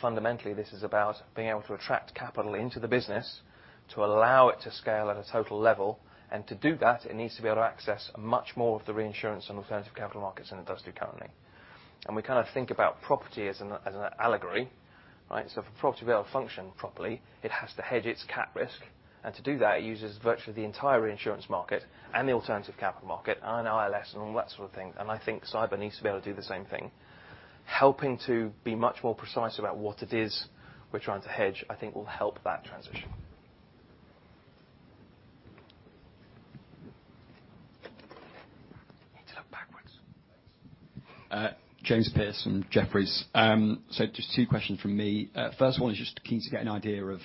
Fundamentally, this is about being able to attract capital into the business to allow it to scale at a total level. To do that, it needs to be able to access much more of the reinsurance and alternative capital markets than it does do currently. We kind of think about property as an allegory. Right? For property to be able to function properly, it has to hedge its cat risk. To do that, it uses virtually the entire reinsurance market and the alternative capital market and ILS and all that sort of thing. I think cyber needs to be able to do the same thing. Helping to be much more precise about what it is we're trying to hedge, I think will help that transition. Need to look backwards. Thanks. James Pearse from Jefferies. Just two questions from me. First one is just keen to get an idea of,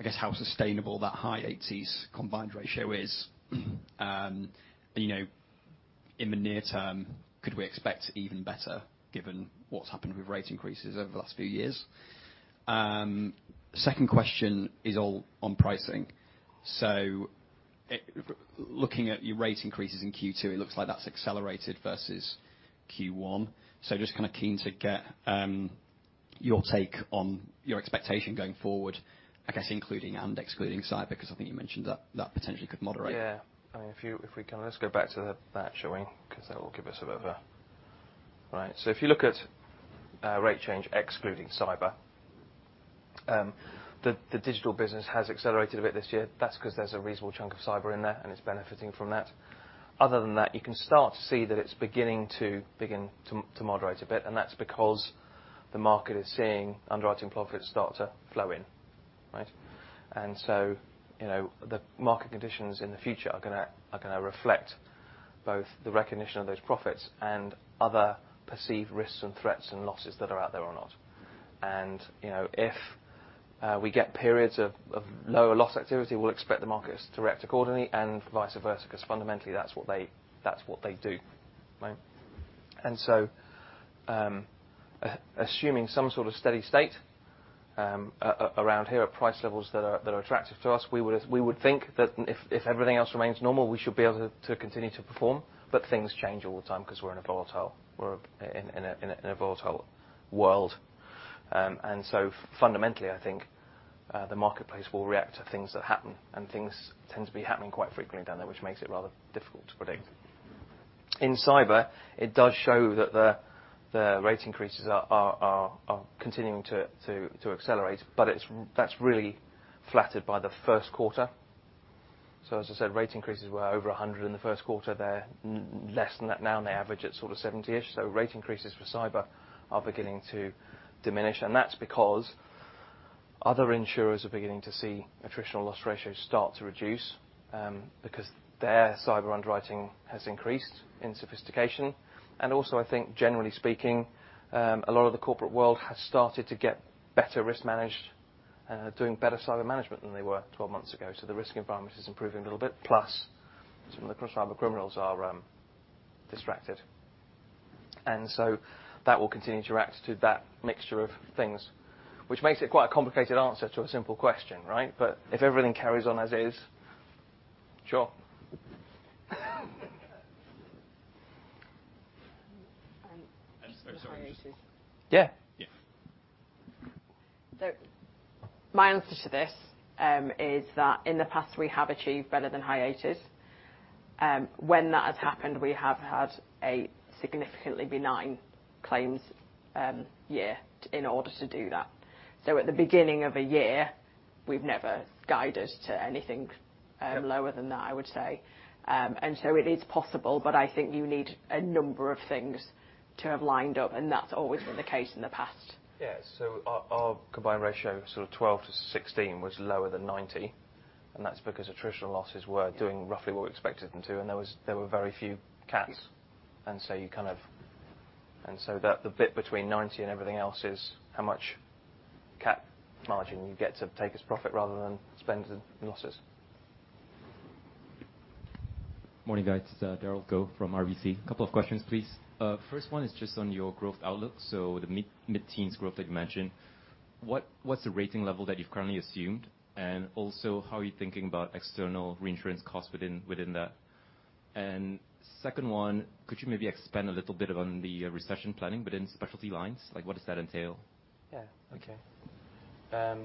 I guess, how sustainable that high eighties combined ratio is. You know, in the near term, could we expect even better given what's happened with rate increases over the last few years? Second question is all on pricing. Looking at your rate increases in Q2, it looks like that's accelerated versus Q1. Just kinda keen to get your take on your expectation going forward, I guess, including and excluding cyber, 'cause I think you mentioned that potentially could moderate. Yeah. I mean, if we can just go back to that showing 'cause that will give us a bit of a right. If you look at rate change excluding cyber, the Digital business has accelerated a bit this year. That's 'cause there's a reasonable chunk of cyber in there, and it's benefiting from that. Other than that, you can start to see that it's beginning to moderate a bit, and that's because the market is seeing underwriting profits start to flow in, right? You know, the market conditions in the future are gonna reflect both the recognition of those profits and other perceived risks and threats and losses that are out there or not. You know, if we get periods of lower loss activity, we'll expect the markets to react accordingly and vice versa, 'cause fundamentally, that's what they do. Right? Assuming some sort of steady state around here at price levels that are attractive to us, we would think that if everything else remains normal, we should be able to continue to perform. But things change all the time 'cause we're in a volatile world. Fundamentally, I think the marketplace will react to things that happen, and things tend to be happening quite frequently down there, which makes it rather difficult to predict. In cyber, it does show that the rate increases are continuing to accelerate, but that's really flattered by the first quarter. As I said, rate increases were over 100% in the first quarter. They're less than that now, and they average at sort of 70-ish. Rate increases for cyber are beginning to diminish, and that's because other insurers are beginning to see attritional loss ratios start to reduce because their cyber underwriting has increased in sophistication. Also, I think generally speaking, a lot of the corporate world has started to get better risk managed, doing better cyber management than they were 12 months ago. The risk environment is improving a little bit, plus some of the cyber criminals are distracted. That will continue to react to that mixture of things, which makes it quite a complicated answer to a simple question, right? If everything carries on as is, sure. For high 80s. Yeah. Yeah. My answer to this is that in the past, we have achieved better than high 80s. When that has happened, we have had a significantly benign claims year in order to do that. At the beginning of a year, we've never guided to anything lower than that, I would say. It is possible, but I think you need a number of things to have lined up, and that's always been the case in the past. Yeah. Our combined ratio, sort of 12%-16%, was lower than 90%, and that's because attritional losses were doing roughly what we expected them to, and there were very few cats. The bit between 90% and everything else is how much cat margin you get to take as profit rather than spend in losses. Morning, guys. It's Derald Goh from RBC. A couple of questions, please. First one is just on your growth outlook. The mid-teens growth that you mentioned, what's the rating level that you've currently assumed? And also, how are you thinking about external reinsurance costs within that? And second one, could you maybe expand a little bit on the recession planning, but in specialty lines? Like, what does that entail? Yeah. Okay.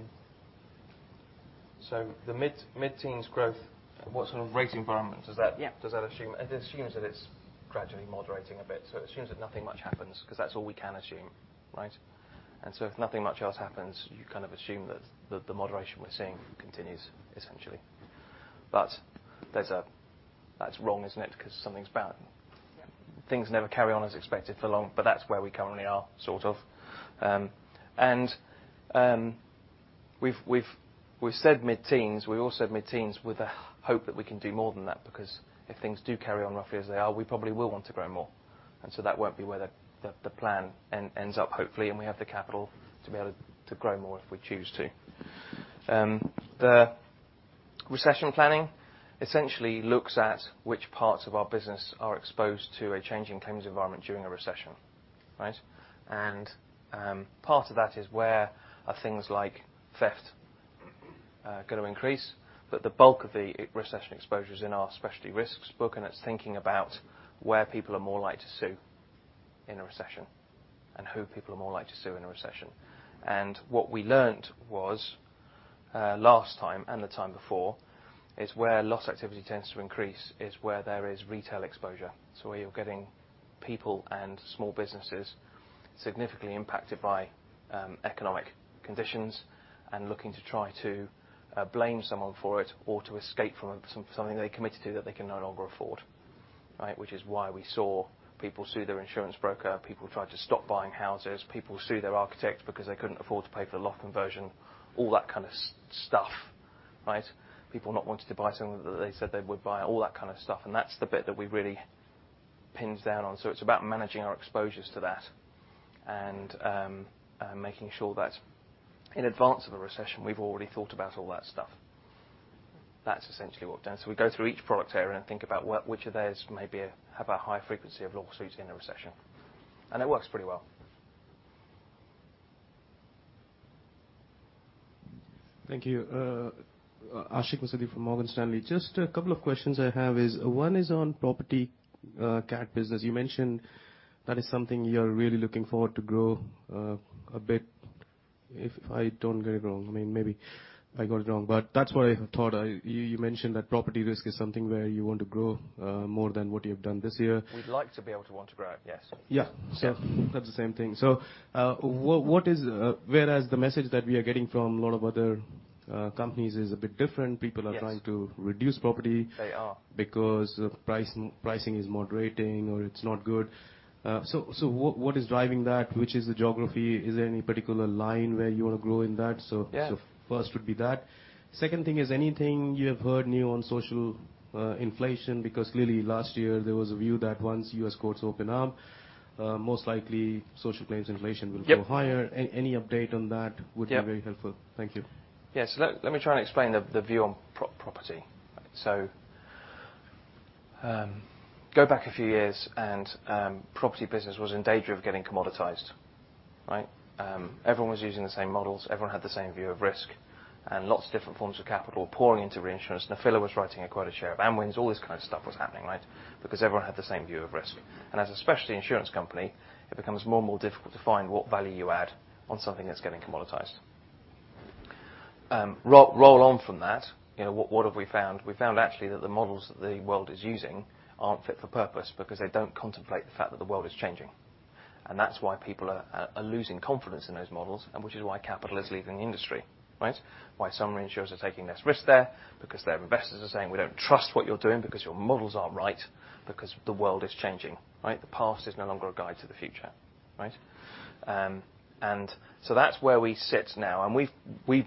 The mid-teens growth. What sort of rate environment does that assume? It assumes that it's gradually moderating a bit. It assumes that nothing much happens 'cause that's all we can assume, right? If nothing much else happens, you kind of assume that the moderation we're seeing continues essentially. That's wrong, isn't it? 'Cause something's bound to happen. Things never carry on as expected for long, but that's where we currently are, sort of. We've said mid-teens. We all said mid-teens with the hope that we can do more than that, because if things do carry on roughly as they are, we probably will want to grow more. That won't be where the plan ends up, hopefully, and we have the capital to be able to grow more if we choose to. The recession planning essentially looks at which parts of our business are exposed to a change in claims environment during a recession, right? Part of that is where are things like theft gonna increase. The bulk of the recession exposure's in our Specialty Risks book, and it's thinking about where people are more likely to sue in a recession, and who people are more likely to sue in a recession. What we learned was, last time and the time before, is where loss activity tends to increase is where there is retail exposure. Where you're getting people and small businesses significantly impacted by economic conditions and looking to try to blame someone for it or to escape from something they committed to that they can no longer afford, right? Which is why we saw people sue their insurance broker, people tried to stop buying houses, people sue their architect because they couldn't afford to pay for the loft conversion, all that kind of stuff, right? People not wanting to buy something that they said they would buy, all that kind of stuff, and that's the bit that we really pin down on. It's about managing our exposures to that and making sure that in advance of the recession, we've already thought about all that stuff. That's essentially what we've done. We go through each product area and think about which of those maybe have a high frequency of lawsuits in a recession. It works pretty well. Thank you. Andrei Stadnik from Morgan Stanley. Just a couple of questions I have is, one is on property cat business. You mentioned that is something you're really looking forward to grow a bit, if I don't get it wrong. I mean, maybe I got it wrong. That's what I thought. You mentioned that property risk is something where you want to grow more than what you have done this year. We'd like to be able to want to grow, yes. Yeah. Yeah. That's the same thing. Whereas the message that we are getting from a lot of other companies is a bit different. Yes. People are trying to reduce property. They are. Because of pricing is moderating or it's not good. What is driving that? Which is the geography? Is there any particular line where you wanna grow in that? Yeah First would be that. Second thing is anything you have heard new on social inflation, because clearly last year there was a view that once U.S. courts open up, most likely social claims inflation will go higher. Yep. Any update on that would be very helpful. Yeah. Thank you. Yes. Let me try and explain the view on property. Go back a few years, and property business was in danger of getting commoditized, right? Everyone was using the same models, everyone had the same view of risk, and lots of different forms of capital pouring into reinsurance. Nephila was writing a quarter share of Amwins. All this kind of stuff was happening, right? Because everyone had the same view of risk. As a specialty insurance company, it becomes more and more difficult to find what value you add on something that's getting commoditized. Roll on from that. You know, what have we found? We found actually that the models that the world is using aren't fit for purpose because they don't contemplate the fact that the world is changing. That's why people are losing confidence in those models, and which is why capital is leaving the industry, right? Why some reinsurers are taking less risk there, because their investors are saying, "We don't trust what you're doing because your models aren't right, because the world is changing." Right? The past is no longer a guide to the future, right? That's where we sit now. We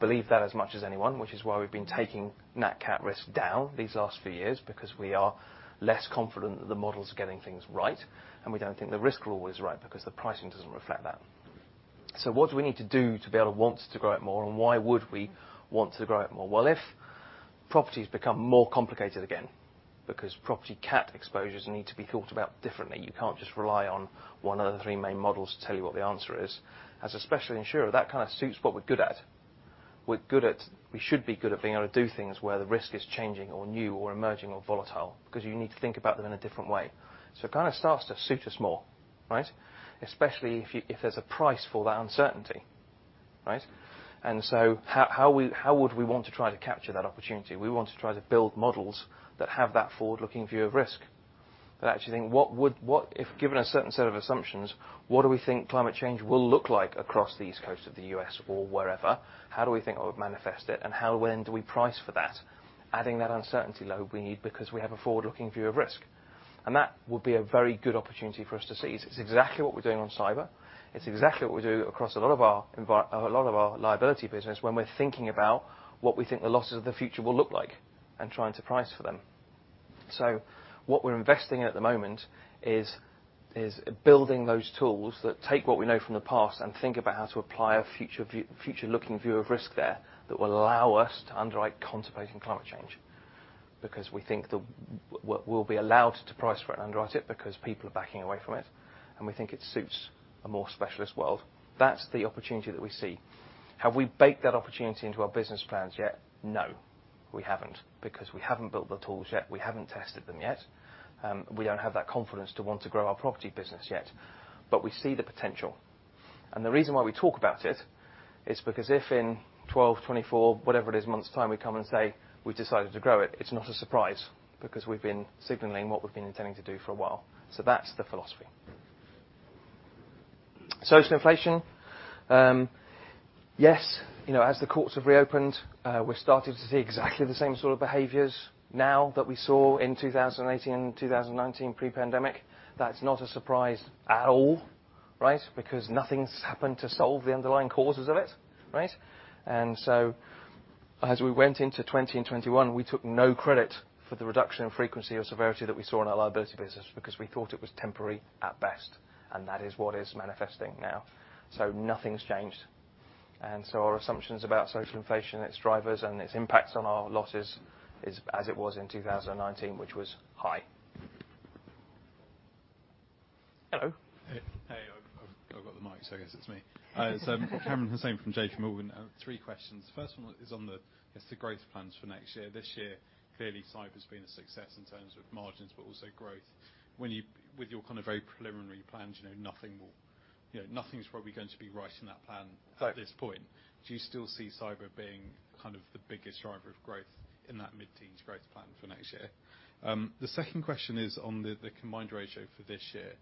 believe that as much as anyone, which is why we've been taking nat cat risk down these last few years, because we are less confident that the model's getting things right, and we don't think the risk/reward is right because the pricing doesn't reflect that. What do we need to do to be able to want to grow it more, and why would we want to grow it more? Well, if properties become more complicated again, because property cat exposures need to be thought about differently, you can't just rely on one of the three main models to tell you what the answer is. As a specialty insurer, that kind of suits what we're good at. We should be good at being able to do things where the risk is changing or new or emerging or volatile, because you need to think about them in a different way. It kind of starts to suit us more, right? Especially if there's a price for that uncertainty, right? How would we want to try to capture that opportunity? We want to try to build models that have that forward-looking view of risk, that actually think what would. What if, given a certain set of assumptions, what do we think climate change will look like across the East Coast of the U.S. or wherever? How do we think it would manifest it? How then do we price for that? Adding that uncertainty load we need because we have a forward-looking view of risk. That would be a very good opportunity for us to seize. It's exactly what we're doing on cyber. It's exactly what we do across a lot of our liability business when we're thinking about what we think the losses of the future will look like and trying to price for them. What we're investing in at the moment is building those tools that take what we know from the past and think about how to apply a future-looking view of risk there that will allow us to underwrite, contemplating climate change. Because we think we'll be allowed to price for it and underwrite it because people are backing away from it, and we think it suits a more specialist world. That's the opportunity that we see. Have we baked that opportunity into our business plans yet? No, we haven't, because we haven't built the tools yet. We haven't tested them yet. We don't have that confidence to want to grow our property business yet. We see the potential, and the reason why we talk about it is because if in 12 months, 24 months, whatever it is, months' time, we come and say we've decided to grow it's not a surprise, because we've been signaling what we've been intending to do for a while. That's the philosophy. Social inflation. Yes, you know, as the courts have reopened, we're starting to see exactly the same sort of behaviors now that we saw in 2018 and 2019 pre-pandemic. That's not a surprise at all, right? Because nothing's happened to solve the underlying causes of it, right? As we went into 2020 and 2021, we took no credit for the reduction in frequency or severity that we saw in our liability business because we thought it was temporary at best. That is what is manifesting now. Nothing's changed. Our assumptions about social inflation, its drivers and its impacts on our losses is as it was in 2019, which was high. Hello. Hey. I've got the mic, so I guess it's me. Kamran Hossain from JPMorgan. I have three questions. First one is on the growth plans for next year. This year, clearly cyber's been a success in terms of margins, but also growth. With your kind of very preliminary plans, you know, nothing's probably going to be right in that plan at this point. Right. Do you still see cyber being kind of the biggest driver of growth in that mid-teens growth plan for next year? The second question is on the combined ratio for this year.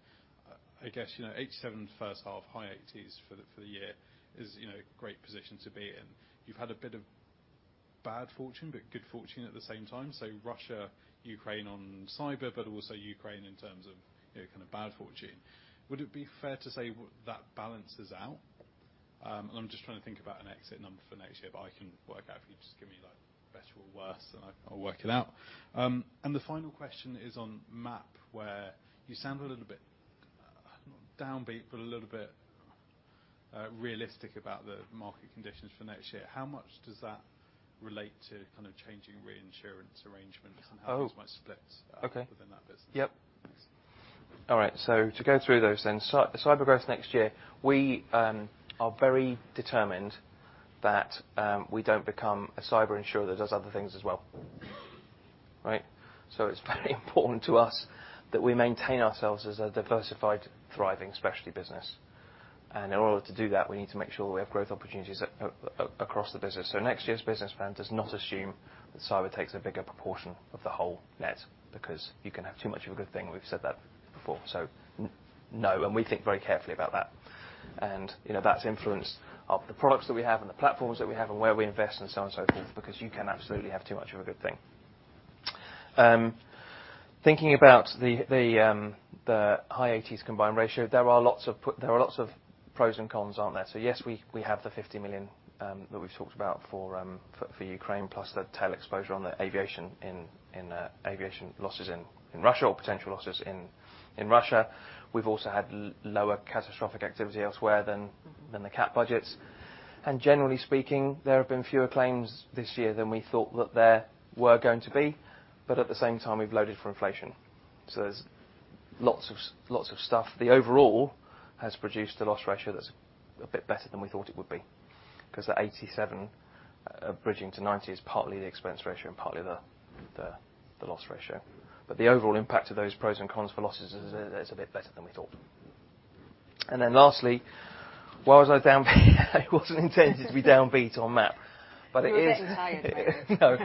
I guess, you know, 87% first half, high 80s% for the year is, you know, a great position to be in. You've had a bit of bad fortune, but good fortune at the same time. Russia-Ukraine on cyber, but also Ukraine in terms of, you know, kind of bad fortune. Would it be fair to say that balances out? I'm just trying to think about an exit number for next year, but I can work out if you just give me like better or worse and I'll work it out. The final question is on MAP, where you sound a little bit downbeat, but a little bit realistic about the market conditions for next year. How much does that relate to kind of changing reinsurance arrangements? Oh. How much splits Okay. Within that business? Yep. Thanks. All right. To go through those then. Cyber growth next year. We are very determined that we don't become a cyber insurer that does other things as well, right? It's very important to us that we maintain ourselves as a diversified, thriving specialty business. In order to do that, we need to make sure we have growth opportunities across the business. Next year's business plan does not assume that cyber takes a bigger proportion of the whole net, because you can have too much of a good thing. We've said that before. No. We think very carefully about that. You know, that's influenced by the products that we have and the platforms that we have and where we invest and so on and so forth, because you can absolutely have too much of a good thing. Thinking about the high 80s combined ratio, there are lots of pros and cons, aren't there? Yes, we have the $50 million that we've talked about for Ukraine, plus the tail exposure on the aviation losses in Russia or potential losses in Russia. We've also had lower catastrophic activity elsewhere than the cat budgets. Generally speaking, there have been fewer claims this year than we thought that there were going to be. At the same time, we've loaded for inflation. There's lots of stuff. The overall has produced a loss ratio that's a bit better than we thought it would be, 'cause the 87% bridging to 90% is partly the expense ratio and partly the loss ratio. The overall impact of those pros and cons for losses is a bit better than we thought. Lastly, why was I downbeat? It wasn't intended to be downbeat on MAP. It is. You were getting tired.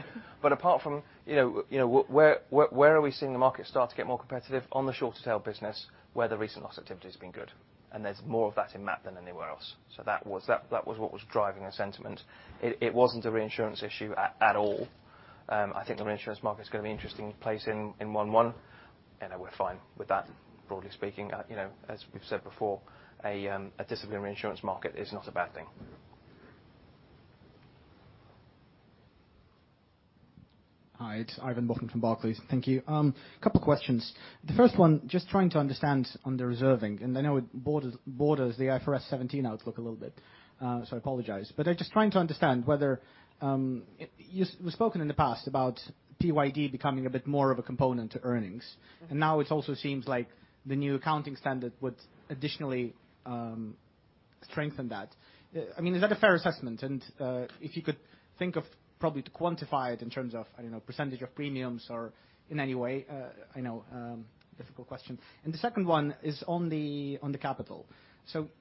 No. Apart from where are we seeing the market start to get more competitive on the shorter tail business where the recent loss activity has been good. There's more of that in MAP than anywhere else. That was what was driving the sentiment. It wasn't a reinsurance issue at all. I think the reinsurance market is gonna be an interesting place in 2021, and we're fine with that, broadly speaking. As we've said before, a disciplined reinsurance market is not a bad thing. Hi, it's Ivan Bokhmat from Barclays. Thank you. A couple of questions. The first one, just trying to understand on the reserving, and I know it borders the IFRS 17 outlook a little bit, so I apologize. I'm just trying to understand whether you've spoken in the past about PYD becoming a bit more of a component to earnings. Now it also seems like the new accounting standard would additionally strengthen that. I mean, is that a fair assessment? If you could think of probably to quantify it in terms of, I don't know, percentage of premiums or in any way, I know, difficult question. The second one is on the capital.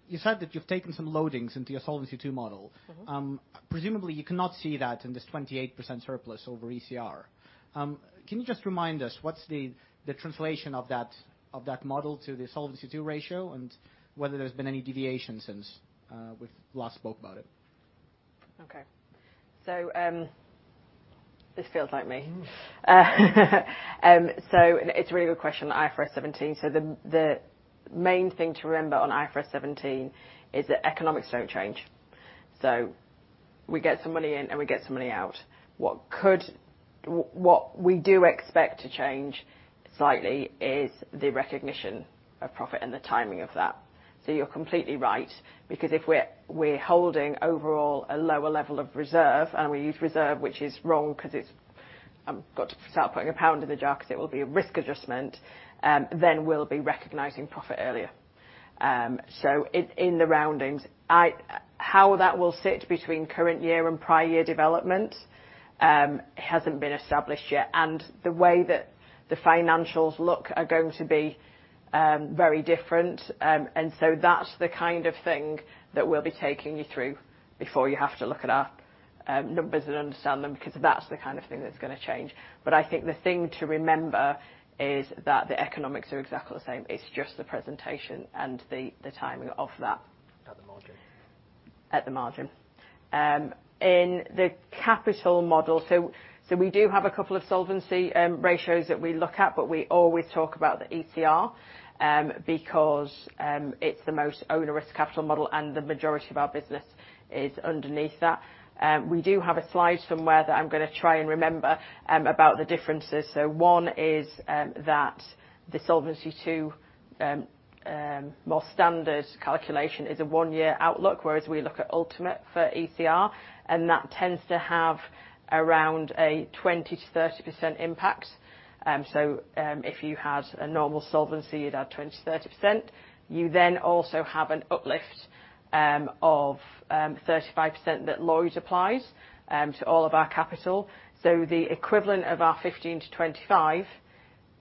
You said that you've taken some loadings into your Solvency II model. Presumably you cannot see that in this 28% surplus over ECR. Can you just remind us what's the translation of that model to the Solvency II ratio and whether there's been any deviation since we last spoke about it? Okay. This feels like me. It's a really good question, IFRS 17. The main thing to remember on IFRS 17 is that economics don't change. We get some money in and we get some money out. What we do expect to change slightly is the recognition of profit and the timing of that. You're completely right, because if we're holding overall a lower level of reserve, and we use reserve, which is wrong because it's got to start putting a pound in the jar because it will be a risk adjustment, then we'll be recognizing profit earlier. In the roundings. How that will sit between current year and prior year development hasn't been established yet. The way that the financials look are going to be very different. That's the kind of thing that we'll be taking you through before you have to look it up, numbers and understand them, because that's the kind of thing that's gonna change. I think the thing to remember is that the economics are exactly the same. It's just the presentation and the timing of that. At the margin. At the margin. In the capital model, we do have a couple of solvency ratios that we look at, but we always talk about the ECR because it's the most owner-risk capital model, and the majority of our business is underneath that. We do have a slide somewhere that I'm gonna try and remember about the differences. One is that the Solvency II more standard calculation is a one-year outlook, whereas we look at ultimate for ECR, and that tends to have around a 20%-30% impact. If you had a normal solvency, you'd add 20%-30%. You then also have an uplift of 35% that Lloyd's applies to all of our capital. The equivalent of our 15%-25%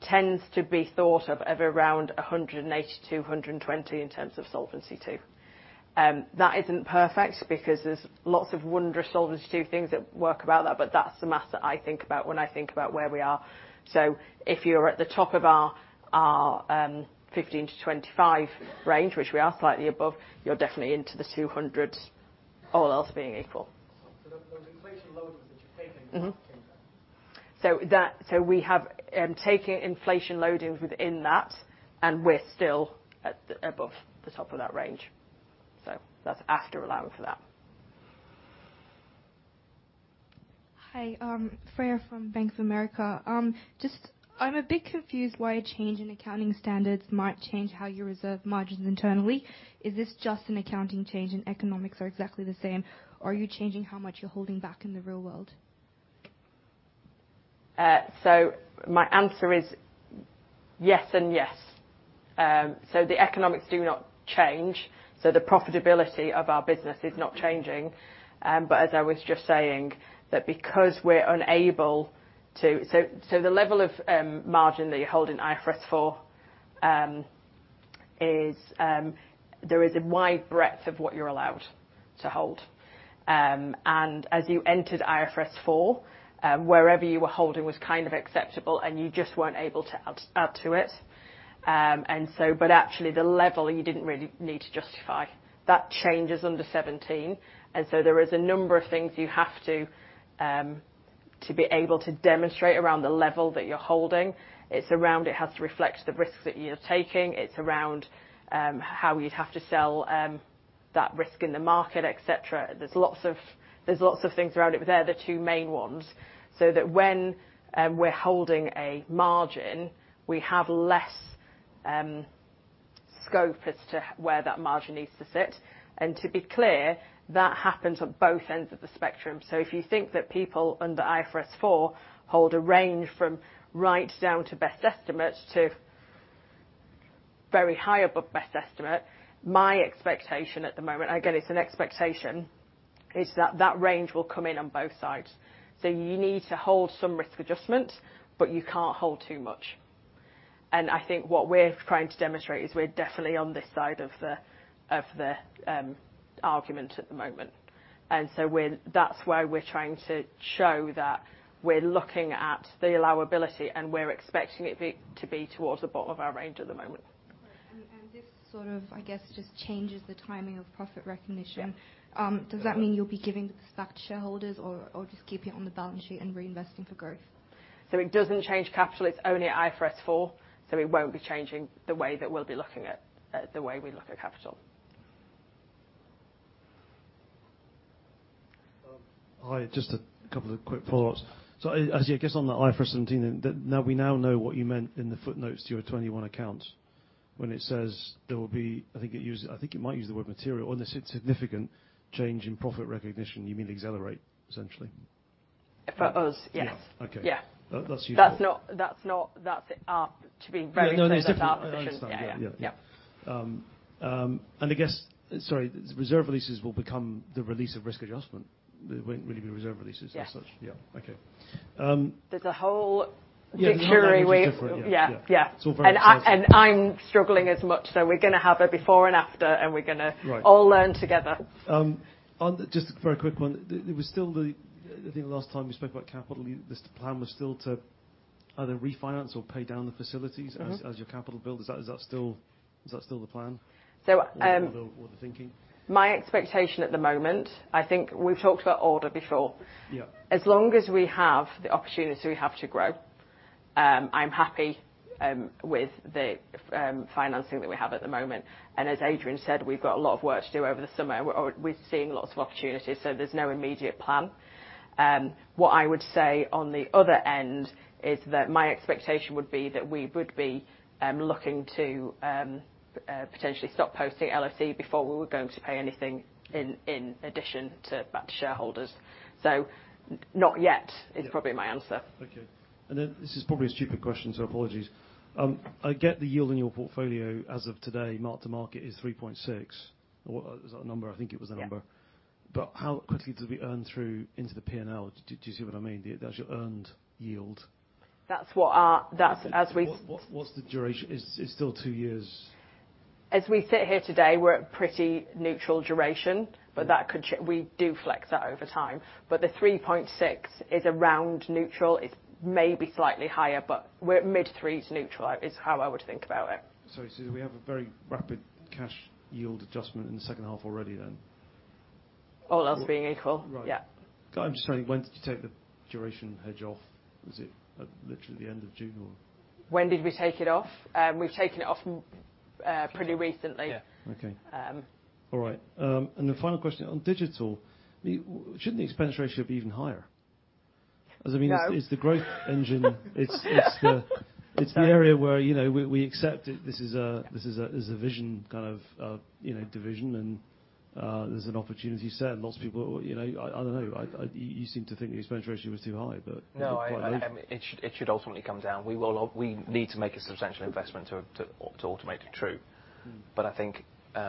tends to be thought of at around 180%-220% in terms of Solvency II. That isn't perfect because there's lots of wondrous Solvency II things that work about that, but that's the math that I think about when I think about where we are. If you're at the top of our 15%-25% range, which we are slightly above, you're definitely into the 200s, all else being equal. Those inflation loadings that you're taking into account. We have taken inflation loadings within that, and we're still at above the top of that range. That's after allowing for that. Hi. Freya from Bank of America. Just, I'm a bit confused why a change in accounting standards might change how you reserve margins internally. Is this just an accounting change and economics are exactly the same, or are you changing how much you're holding back in the real world? My answer is yes and yes. The economics do not change. The profitability of our business is not changing. The level of margin that you hold in IFRS 4 is there is a wide breadth of what you're allowed to hold. As you entered IFRS 4, wherever you were holding was kind of acceptable, and you just weren't able to add to it. Actually the level you didn't really need to justify. That changes under 17, and there is a number of things you have to be able to demonstrate around the level that you're holding. It's around. It has to reflect the risks that you're taking. It's around how you'd have to sell that risk in the market, et cetera. There's lots of things around it. They're the two main ones, so that when we're holding a margin, we have less scope as to where that margin needs to sit. To be clear, that happens at both ends of the spectrum. If you think that people under IFRS 4 hold a range from right down to best estimate to very high above best estimate, my expectation at the moment, again, it's an expectation, is that that range will come in on both sides. You need to hold some risk adjustment, but you can't hold too much. I think what we're trying to demonstrate is we're definitely on this side of the argument at the moment. That's why we're trying to show that we're looking at the allowability, and we're expecting to be towards the bottom of our range at the moment. Right. This sort of, I guess, just changes the timing of profit recognition. Yeah. Does that mean you'll be giving it to the stock shareholders or just keep it on the balance sheet and reinvesting for growth? It doesn't change capital. It's only IFRS 4, so it won't be changing the way that we'll be looking at the way we look at capital. Hi. Just a couple of quick follow-ups. As I guess on the IFRS 17, then, now we know what you meant in the footnotes to your 2021 accounts when it says there will be, I think it might use the word material, and this is significant change in profit recognition. You mean accelerate essentially. For us, yes. Yeah. Okay. Yeah. That's useful. That's not. That's to be very clear. No, no. It's different. That's our position. I understand. Yeah, yeah. Yeah, yeah. Yeah. Reserve releases will become the release of risk adjustment. There won't really be reserve releases as such. Yeah. Yeah. Okay. There's a whole dictionary. Yeah. No, I know that's different. Yeah. Yeah. Yeah. Yeah. It's all very- I'm struggling as much. We're gonna have a before and after. Right All learn together. Just a very quick one. I think the last time we spoke about capital, this plan was still to either refinance or pay down the facilities as your capital build. Is that still the plan? So, um- What are the thinking? My expectation at the moment, I think we've talked about order before. Yeah. As long as we have the opportunity, so we have to grow. I'm happy with the financing that we have at the moment. As Adrian said, we've got a lot of work to do over the summer. We're seeing lots of opportunities, so there's no immediate plan. What I would say on the other hand is that my expectation would be that we would be looking to potentially stop posting LOC before we were going to pay anything in addition to back to shareholders. Not yet is probably my answer. Okay. This is probably a stupid question, so apologies. I get the yield in your portfolio as of today, mark to market is 3.6%. Or is that number? I think it was the number. Yeah. How quickly does it earn through into the P&L? Do you see what I mean? That's your earned yield. As we What's the duration? Is it still two years? As we sit here today, we're at pretty neutral duration, but we do flex that over time. The 3.6% is around neutral. It's maybe slightly higher. We're at mid-threes. Neutral is how I would think about it. Sorry, do we have a very rapid cash yield adjustment in the second half already then? All else being equal? Right. Yeah. When did you take the duration hedge off? Is it at literally the end of June or? When did we take it off? We've taken it off pretty recently. Yeah. Okay. All right. The final question on Digital. Shouldn't the expense ratio be even higher? No. I mean, it's the growth engine. It's the area where, you know, we accept it. This is a visionary kind of, you know, division, and there's an opportunity set. Lots of people, you know. I don't know. You seem to think the expense ratio was too high, but No. Quite likely. It should ultimately come down. We need to make a substantial investment to automate it. True. I think.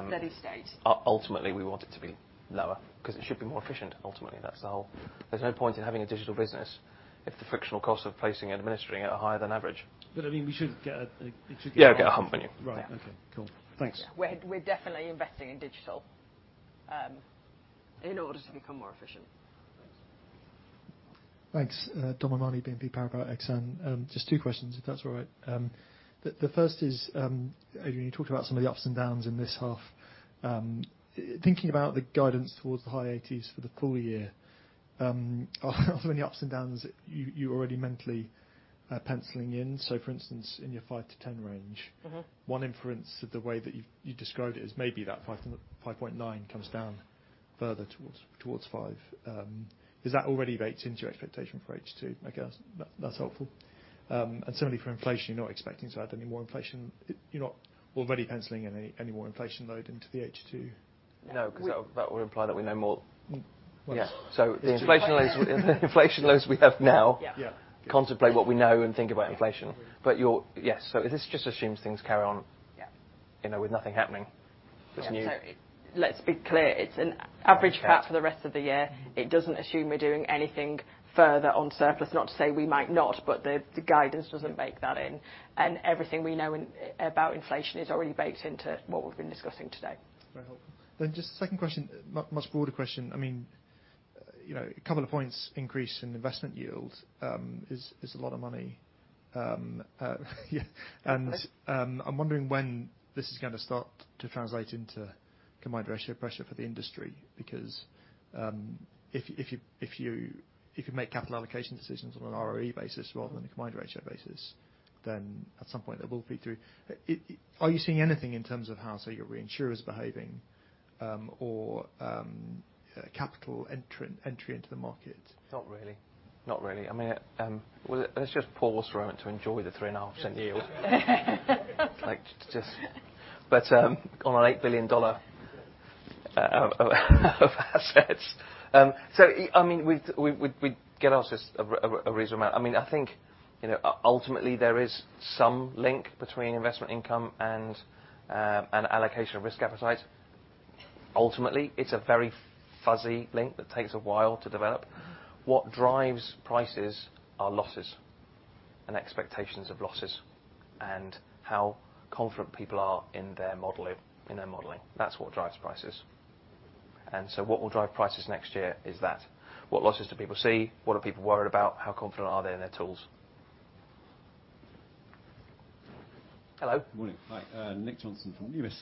Steady state Ultimately, we want it to be lower 'cause it should be more efficient. There's no point in having a digital business if the frictional costs of placing and administering it are higher than average. I mean, we should get a. It should get a Yeah, I'll get a company. Right. Okay, cool. Thanks. We're definitely investing in Digital in order to become more efficient. Thanks. Thanks. Dominic O'Mahony, BNP Paribas Exane. Just two questions, if that's all right. The first is, Adrian, you talked about some of the ups and downs in this half. Thinking about the guidance towards the high eighties for the full year, are there any ups and downs you're already mentally penciling in? For instance, in your 5%-10% range. One inference to the way that you've described it is maybe that 5.9% comes down further towards 5%. Is that already baked into your expectation for H2? I guess that's helpful. Certainly for inflation, you're not expecting to add any more inflation. You're not already penciling in any more inflation load into the H2? No. That would imply that we know more. Yes. The inflation loads we have now. Yeah Contemplate what we know and think about inflation. Your... Yes. This just assumes things carry on. Yeah You know, with nothing happening that's new. Yeah. Let's be clear. It's an average attrit for the rest of the year. It doesn't assume we're doing anything further on surplus. Not to say we might not, but the guidance doesn't bake that in. Everything we know about inflation is already baked into what we've been discussing today. Very helpful. Just second question, much broader question. I mean, you know, a couple of points increase in investment yield is a lot of money. Okay. I'm wondering when this is gonna start to translate into combined ratio pressure for the industry. Because if you make capital allocation decisions on an ROE basis rather than a combined ratio basis, then at some point it will feed through. Are you seeing anything in terms of how, say, your reinsurer is behaving, or capital entry into the market? Not really. Not really. I mean, well, let's just pause for a moment to enjoy the 3.5% yield. Like just on $8 billion of assets. So I mean, we get ourselves a reasonable amount. I mean, I think, you know, ultimately there is some link between investment income and an allocation of risk appetite. Ultimately, it's a very fuzzy link that takes a while to develop. What drives prices are losses and expectations of losses, and how confident people are in their modeling. That's what drives prices. What will drive prices next year is that. What losses do people see? What are people worried about? How confident are they in their tools? Hello. Morning. Hi. Nick Johnson from Numis.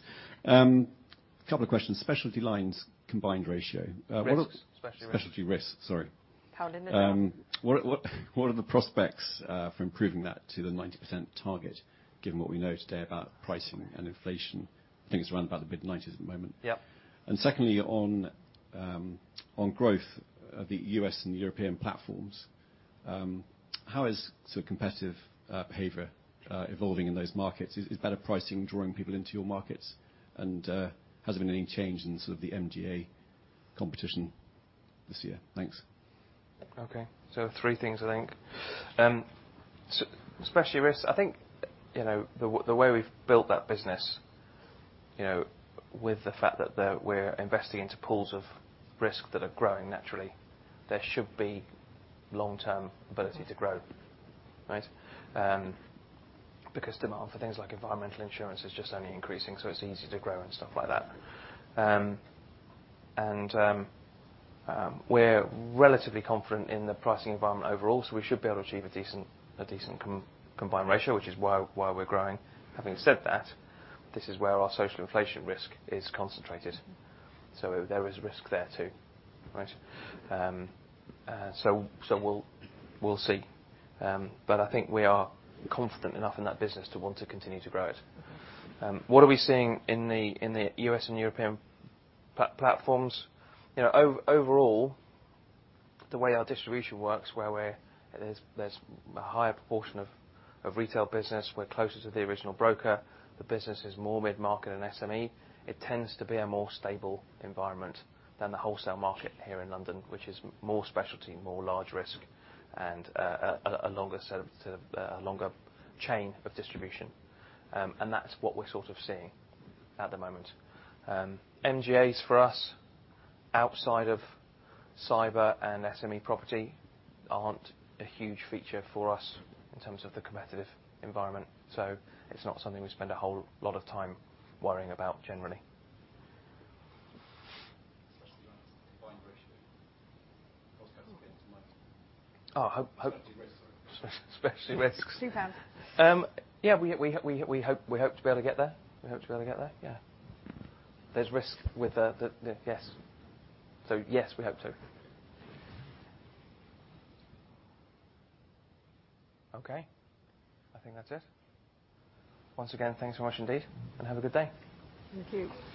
A couple of questions. Specialty lines combined ratio. What are- Risks. Specialty Risks. Specialty Risks, sorry. Pounding the table. What are the prospects for improving that to the 90% target, given what we know today about pricing and inflation? I think it's around about the mid-90s% at the moment. Yep. Secondly, on growth, the U.S. and European platforms, how is sort of competitive behavior evolving in those markets? Is better pricing drawing people into your markets? Has there been any change in sort of the MGA competition this year? Thanks. Okay. Three things, I think. Specialty Risks, I think, you know, the way we've built that business, you know, with the fact that we're investing into pools of risk that are growing naturally, there should be long-term ability to grow, right? Because demand for things like environmental insurance is just only increasing, so it's easier to grow and stuff like that. We're relatively confident in the pricing environment overall, so we should be able to achieve a decent combined ratio, which is why we're growing. Having said that, this is where our social inflation risk is concentrated. There is risk there too, right? So we'll see. I think we are confident enough in that business to want to continue to grow it. What are we seeing in the U.S. and European platforms? Overall, the way our distribution works, where we're. There's a higher proportion of retail business. We're closer to the original broker. The business is more mid-market and SME. It tends to be a more stable environment than the wholesale market here in London, which is more specialty, more large risk, and a longer chain of distribution. That's what we're sort of seeing at the moment. MGAs for us, outside of cyber and SME property, aren't a huge feature for us in terms of the competitive environment. It's not something we spend a whole lot of time worrying about generally. Specialty line combined ratio. Cost gets to 90%. Oh, hope Specialty Risks. Specialty Risks. Two hands. Yeah, we hope to be able to get there. We hope to be able to get there, yeah. Yes. Yes, we hope to. Okay. I think that's it. Once again, thanks so much indeed, and have a good day. Thank you. Thank you.